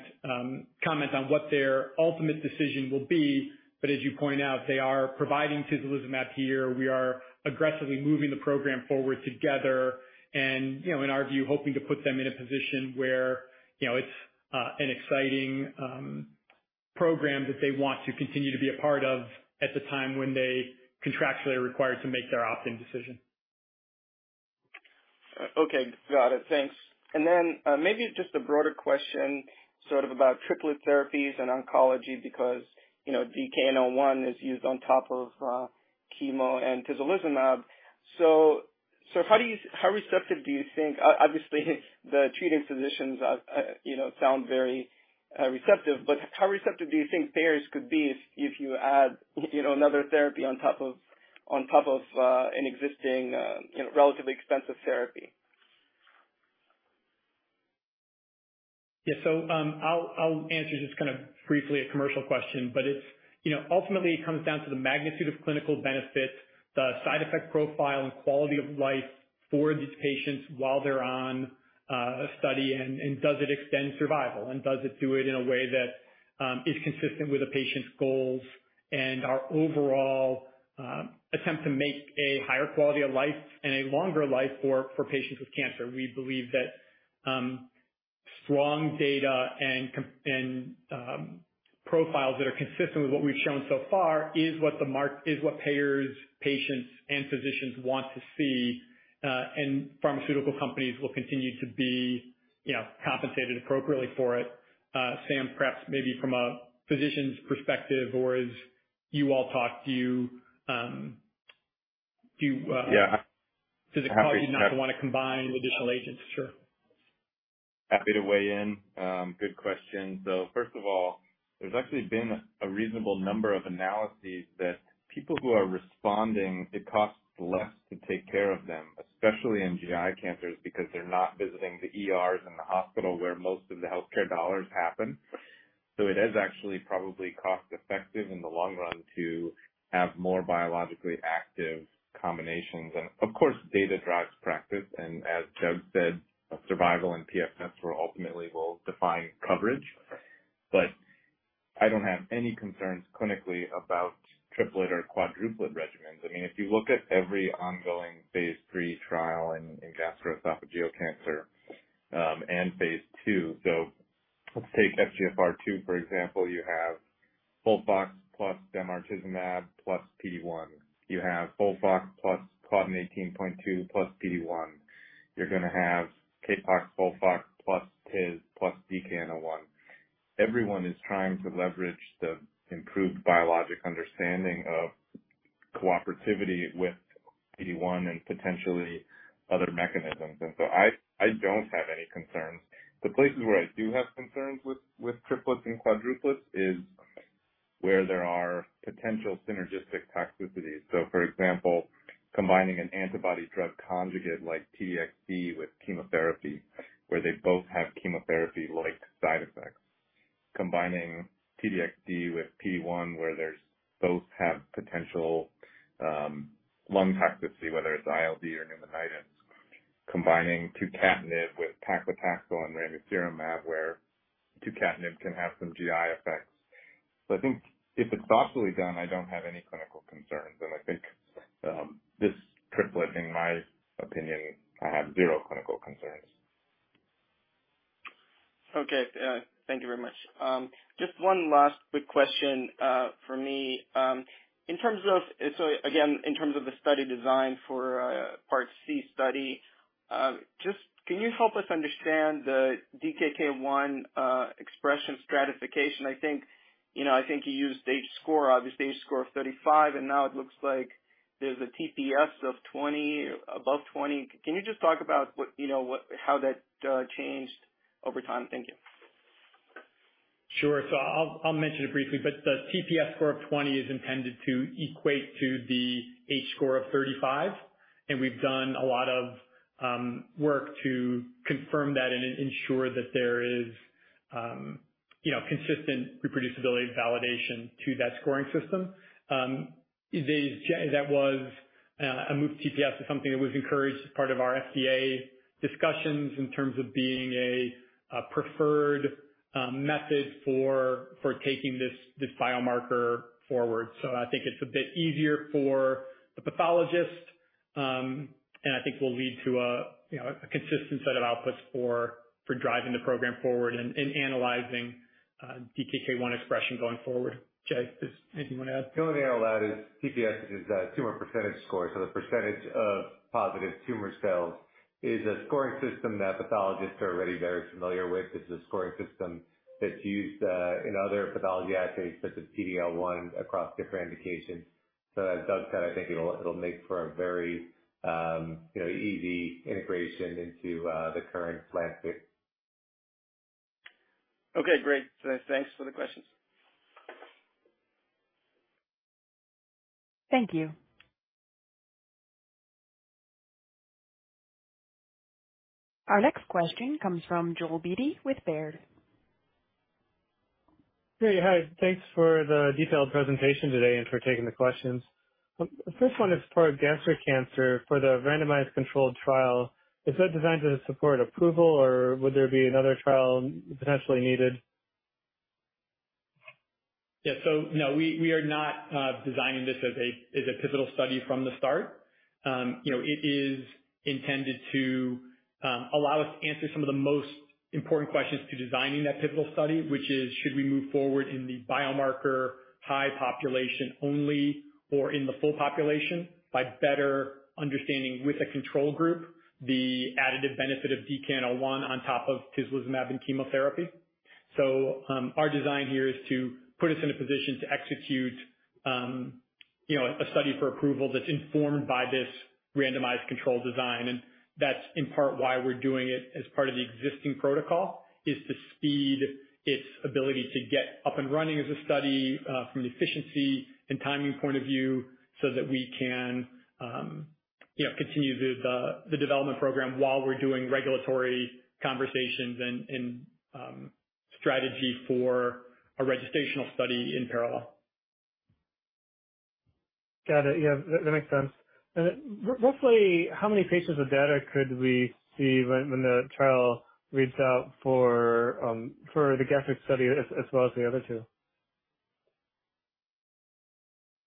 comment on what their ultimate decision will be, but as you point out, they are providing tislelizumab here. We are aggressively moving the program forward together and you know, in our view, hoping to put them in a position where you know, it's an exciting program that they want to continue to be a part of at the time when they contractually are required to make their opt-in decision. Okay. Got it. Thanks. Then maybe just a broader question sort of about triplet therapies and oncology because, you know, DKN-01 is used on top of chemo and tislelizumab. So how receptive do you think? Obviously, the treating physicians are, you know, sound very receptive, but how receptive do you think payers could be if you add, you know, another therapy on top of an existing, you know, relatively expensive therapy? Yeah. I'll answer just kind of briefly a commercial question. It's, you know, ultimately it comes down to the magnitude of clinical benefit, the side effect profile and quality of life for these patients while they're on a study, and does it extend survival? Does it do it in a way that is consistent with the patient's goals? Our overall attempt to make a higher quality of life and a longer life for patients with cancer. We believe that strong data and profiles that are consistent with what we've shown so far is what payers, patients, and physicians want to see. Pharmaceutical companies will continue to be, you know, compensated appropriately for it. Sam, perhaps maybe from a physician's perspective or as you all talk to, do. Yeah. Does it cause you not to wanna combine additional agents? Sure. Happy to weigh in. Good question. First of all, there's actually been a reasonable number of analyses that people who are responding. It costs less to take care of them, especially in GI cancers, because they're not visiting the ERs and the hospital where most of the healthcare dollars happen. It is actually probably cost-effective in the long run to have more biologically active combinations. Of course, data drives practice. As Doug said, survival and PFS will ultimately define coverage. I don't have any concerns clinically about triplet or quadruplet regimens. I mean, if you look at every ongoing phase III trial in gastroesophageal cancer and phase II. Let's take FGFR2, for example. You have FOLFOX plus bemarituzumab plus PD-1. You have FOLFOX plus CLDN18.2 plus PD-1. You're gonna have CAPOX, FOLFOX, plus tis plus DKN-01. Everyone is trying to leverage the improved biologic understanding of cooperativity with PD-1 and potentially other mechanisms. I don't have any concerns. The places where I do have concerns with triplets and quadruplets is where there are potential synergistic toxicities. For example, combining an antibody drug conjugate like T-DXd with chemotherapy, where they both have chemotherapy-like side effects. Combining T-DXd with PD-1, where there's both have potential lung toxicity, whether it's ILD or pneumonitis. Combining tucatinib with paclitaxel and ramucirumab, where tucatinib can have some GI effects. I think if it's thoughtfully done, I don't have any clinical concerns. I think this triplet, in my opinion, I have zero clinical concerns. Okay. Thank you very much. Just one last quick question for me. In terms of again, in terms of the study design for Part C study, just can you help us understand the DKK 1 expression stratification? I think, you know, I think you used H-score of 35, and now it looks like there's a TPS of 20, above 20. Can you just talk about what, you know, how that changed over time? Thank you. Sure. I'll mention it briefly, but the TPS score of 20 is intended to equate to the H-score of 35, and we've done a lot of work to confirm that and ensure that there is, you know, consistent reproducibility and validation to that scoring system. That was a move to TPS is something that was encouraged as part of our FDA discussions in terms of being a preferred method for taking this biomarker forward. I think it's a bit easier for the pathologist, and I think will lead to a, you know, a consistent set of outputs for driving the program forward and analyzing DKK 1 expression going forward. Jay, does anything you wanna add? The only thing I'll add is TPS is a tumor percentage score, so the percentage of positive tumor cells is a scoring system that pathologists are already very familiar with. It's a scoring system that's used in other pathology assays, such as PD-L1 across different indications. As Doug said, I think it'll make for a very easy integration into the current landscape. Okay, great. Thanks for the questions. Thank you. Our next question comes from Joel Beatty with Baird. Hey. Hi. Thanks for the detailed presentation today and for taking the questions. The first one is for gastric cancer, for the randomized controlled trial, is that designed to support approval, or would there be another trial potentially needed? Yeah. No, we are not designing this as a pivotal study from the start. You know, it is intended to allow us to answer some of the most important questions to designing that pivotal study, which is, should we move forward in the biomarker high population only or in the full population by better understanding with a control group, the additive benefit of DKN-01 on top of tislelizumab and chemotherapy. Our design here is to put us in a position to execute, you know, a study for approval that's informed by this randomized control design. That's in part why we're doing it as part of the existing protocol, is to speed its ability to get up and running as a study, from an efficiency and timing point of view, so that we can, you know, continue the development program while we're doing regulatory conversations and strategy for a registrational study in parallel. Got it. Yeah, that makes sense. Roughly how many patient data could we see when the trial reads out for the gastric study as well as the other two?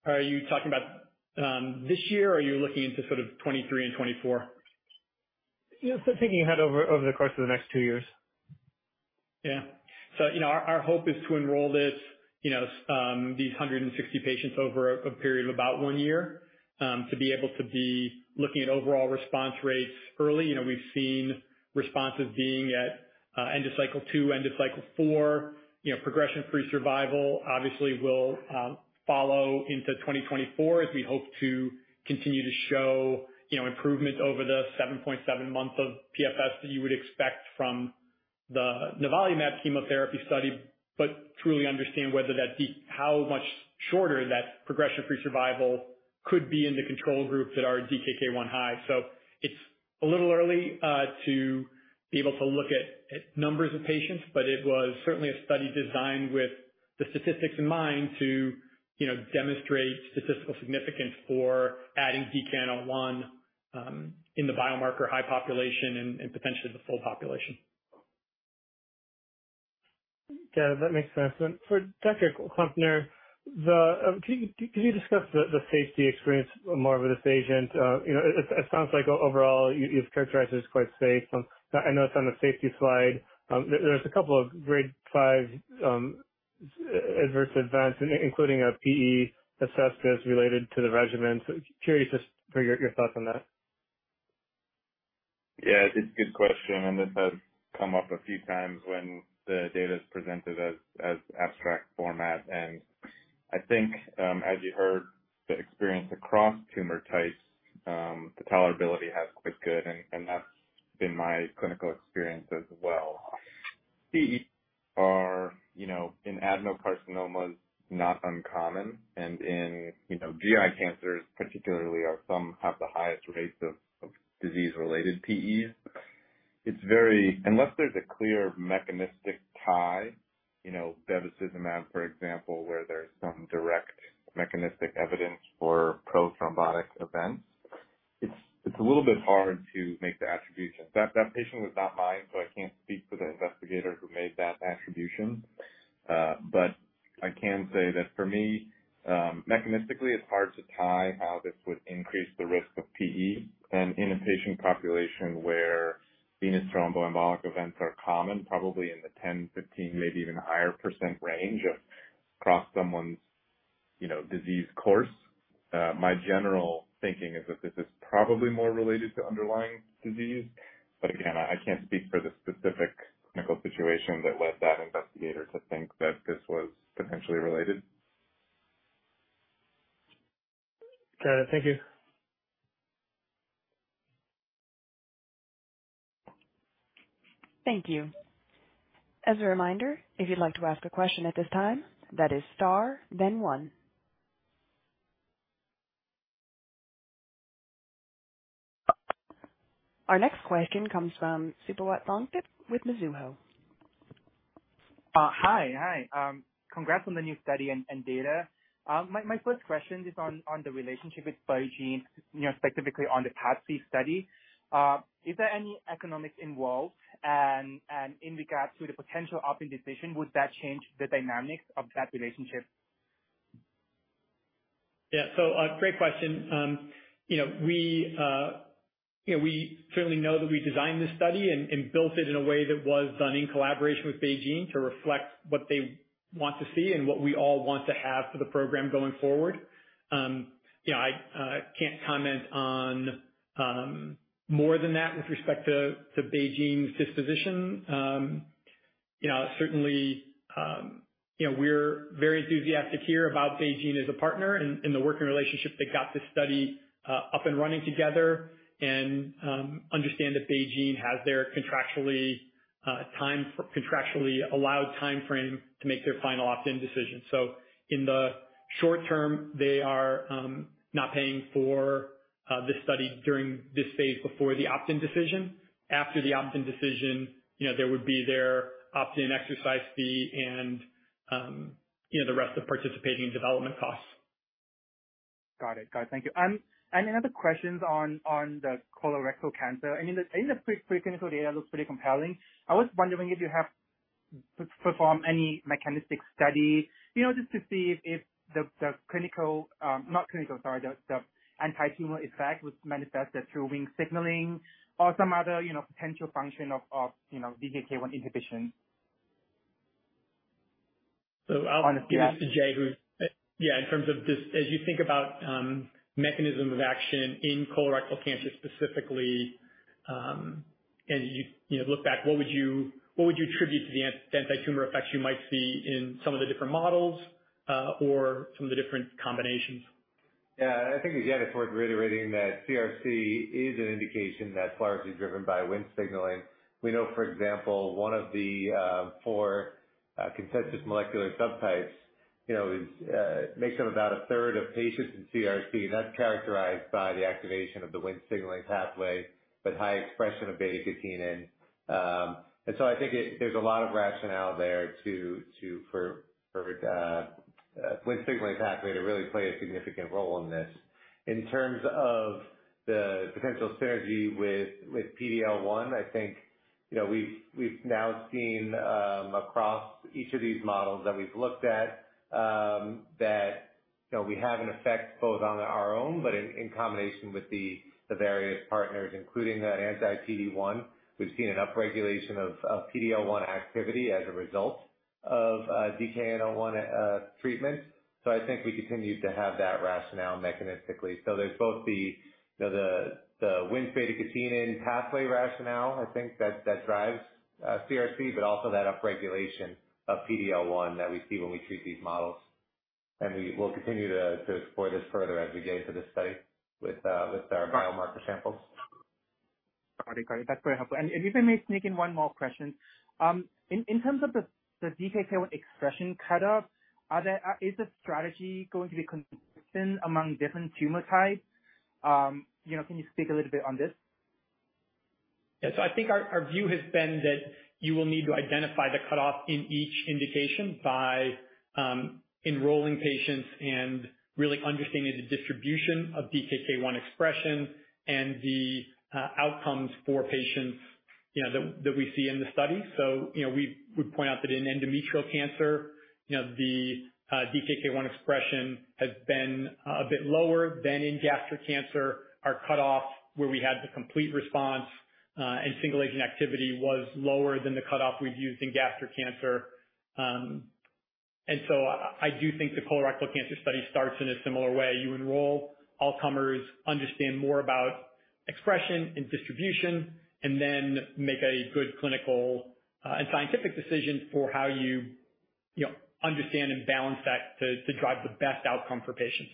Are you talking about this year or are you looking into sort of 2023 and 2024? Yeah. Thinking ahead over the course of the next two years. Yeah. Our hope is to enroll these 160 patients over a period of about one year to be able to be looking at overall response rates early. You know, we've seen responses being at end of cycle two, end of cycle four. You know, progression-free survival obviously will follow into 2024 as we hope to continue to show improvement over the 7.7-month PFS that you would expect from the nivolumab chemotherapy study, but truly understand how much shorter that progression-free survival could be in the control group that are DKK 1 high. It's a little early to be able to look at numbers of patients, but it was certainly a study designed with the statistics in mind to, you know, demonstrate statistical significance for adding DKN-01 in the biomarker high population and potentially the full population. Yeah, that makes sense. For Dr. Klempner, can you discuss the safety experience more of this agent? You know, it sounds like overall you've characterized it as quite safe. I know it's on the safety slide. There's a couple of Grade 5 adverse events, including a PE assessed as related to the regimen. Curious just for your thoughts on that. Yeah, it's a good question, and this has come up a few times when the data is presented as abstract format. I think, as you heard, the experience across tumor types, the tolerability has quite good and that's been my clinical experience as well. PEs are, you know, in adenocarcinomas, not uncommon and in, you know, GI cancers particularly are some have the highest rates of disease-related PEs. It's very unless there's a clear mechanistic tie, you know, bevacizumab for example, where there's some direct mechanistic evidence for prothrombotic events, it's a little bit hard to make the attribution. That patient was not mine, so I can't speak for the investigator who made that attribution. But I can say that for me, mechanistically it's hard to tie how this would increase the risk of PE. In a patient population where venous thromboembolic events are common, probably in the 10%-15%, maybe even higher % range across someone's, you know, disease course, my general thinking is that this is probably more related to underlying disease. Again, I can't speak for the specific clinical situation that led that investigator to think that this was potentially related. Got it. Thank you. Thank you. As a reminder, if you'd like to ask a question at this time, that is star then one. Our next question comes from Supawat Thongthip with Mizuho. Hi, hi. Congrats on the new study and data. My first question is on the relationship with BeiGene, you know, specifically on the Part C study. Is there any economics involved? In regards to the potential opt-in decision, would that change the dynamics of that relationship? Yeah. Great question. You know, we certainly know that we designed this study and built it in a way that was done in collaboration with BeiGene to reflect what they want to see and what we all want to have for the program going forward. You know, I can't comment on more than that with respect to BeiGene's disposition. You know, certainly, you know, we're very enthusiastic here about BeiGene as a partner and the working relationship that got this study up and running together and understand that BeiGene has their contractually allowed timeframe to make their final opt-in decision. In the short term, they are not paying for this study during this phase before the opt-in decision. After the opt-in decision, you know, there would be their opt-in exercise fee and, you know, the rest of participating in development costs. Got it. Thank you. Any other questions on the colorectal cancer? I mean, I think the preclinical data looks pretty compelling. I was wondering if you have performed any mechanistic study, you know, just to see if the antitumor effect was manifested through Wnt signaling or some other, you know, potential function of DKK 1 inhibition. I'll give this to Jay. On the PR. Yeah, in terms of this, as you think about mechanism of action in colorectal cancer specifically, as you know look back, what would you attribute to the antitumor effects you might see in some of the different models or some of the different combinations? Yeah. I think again, it's worth reiterating that CRC is an indication that's largely driven by Wnt signaling. We know, for example, one of the four Consensus Molecular Subtypes makes up about a third of patients in CRC, and that's characterized by the activation of the Wnt signaling pathway, but high expression of beta-catenin. I think there's a lot of rationale there for Wnt signaling pathway to really play a significant role in this. In terms of the potential synergy with PD-L1, I think, you know, we've now seen across each of these models that we've looked at, you know, we have an effect both on our own but in combination with the various partners, including the anti-PD-1. We've seen an upregulation of PD-L1 activity as a result of DKN-01 treatment. I think we continue to have that rationale mechanistically. There's both the, you know, the Wnt beta-catenin pathway rationale, I think that drives CRC, but also that upregulation of PD-L1 that we see when we treat these models. We will continue to explore this further as we go through this study with our biomarker samples. Got it. That's very helpful. If you may sneak in one more question. In terms of the DKK 1 expression cutoff, is the strategy going to be consistent among different tumor types? You know, can you speak a little bit on this? Yeah. I think our view has been that you will need to identify the cutoff in each indication by enrolling patients and really understanding the distribution of DKK 1 expression and the outcomes for patients, you know, that we see in the study. You know, we would point out that in endometrial cancer, you know, the DKK 1 expression has been a bit lower than in gastric cancer. Our cutoff where we had the complete response and single agent activity was lower than the cutoff we've used in gastric cancer. I do think the colorectal cancer study starts in a similar way. You enroll all comers, understand more about expression and distribution, and then make a good clinical and scientific decision for how you know, understand and balance that to drive the best outcome for patients.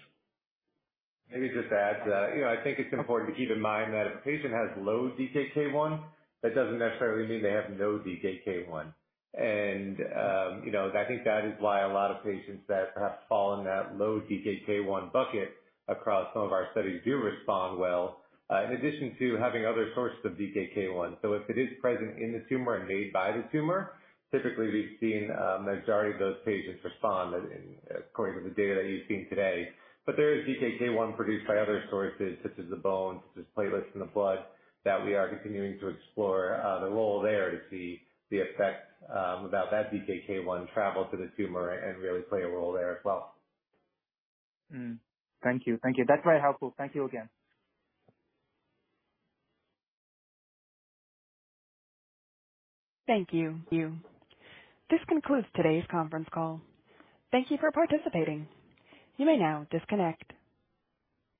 Maybe just to add to that. You know, I think it's important to keep in mind that if a patient has low DKK 1, that doesn't necessarily mean they have no DKK 1. You know, I think that is why a lot of patients that have fallen in that low DKK 1 bucket across some of our studies do respond well, in addition to having other sources of DKK 1. If it is present in the tumor and made by the tumor, typically we've seen majority of those patients respond, in accordance with the data that you've seen today. There is DKK 1 produced by other sources such as the bone, such as platelets in the blood, that we are continuing to explore the role there to see the effect about that DKK 1 travel to the tumor and really play a role there as well. Thank you. That's very helpful. Thank you again. Thank you. This concludes today's conference call. Thank you for participating. You may now disconnect.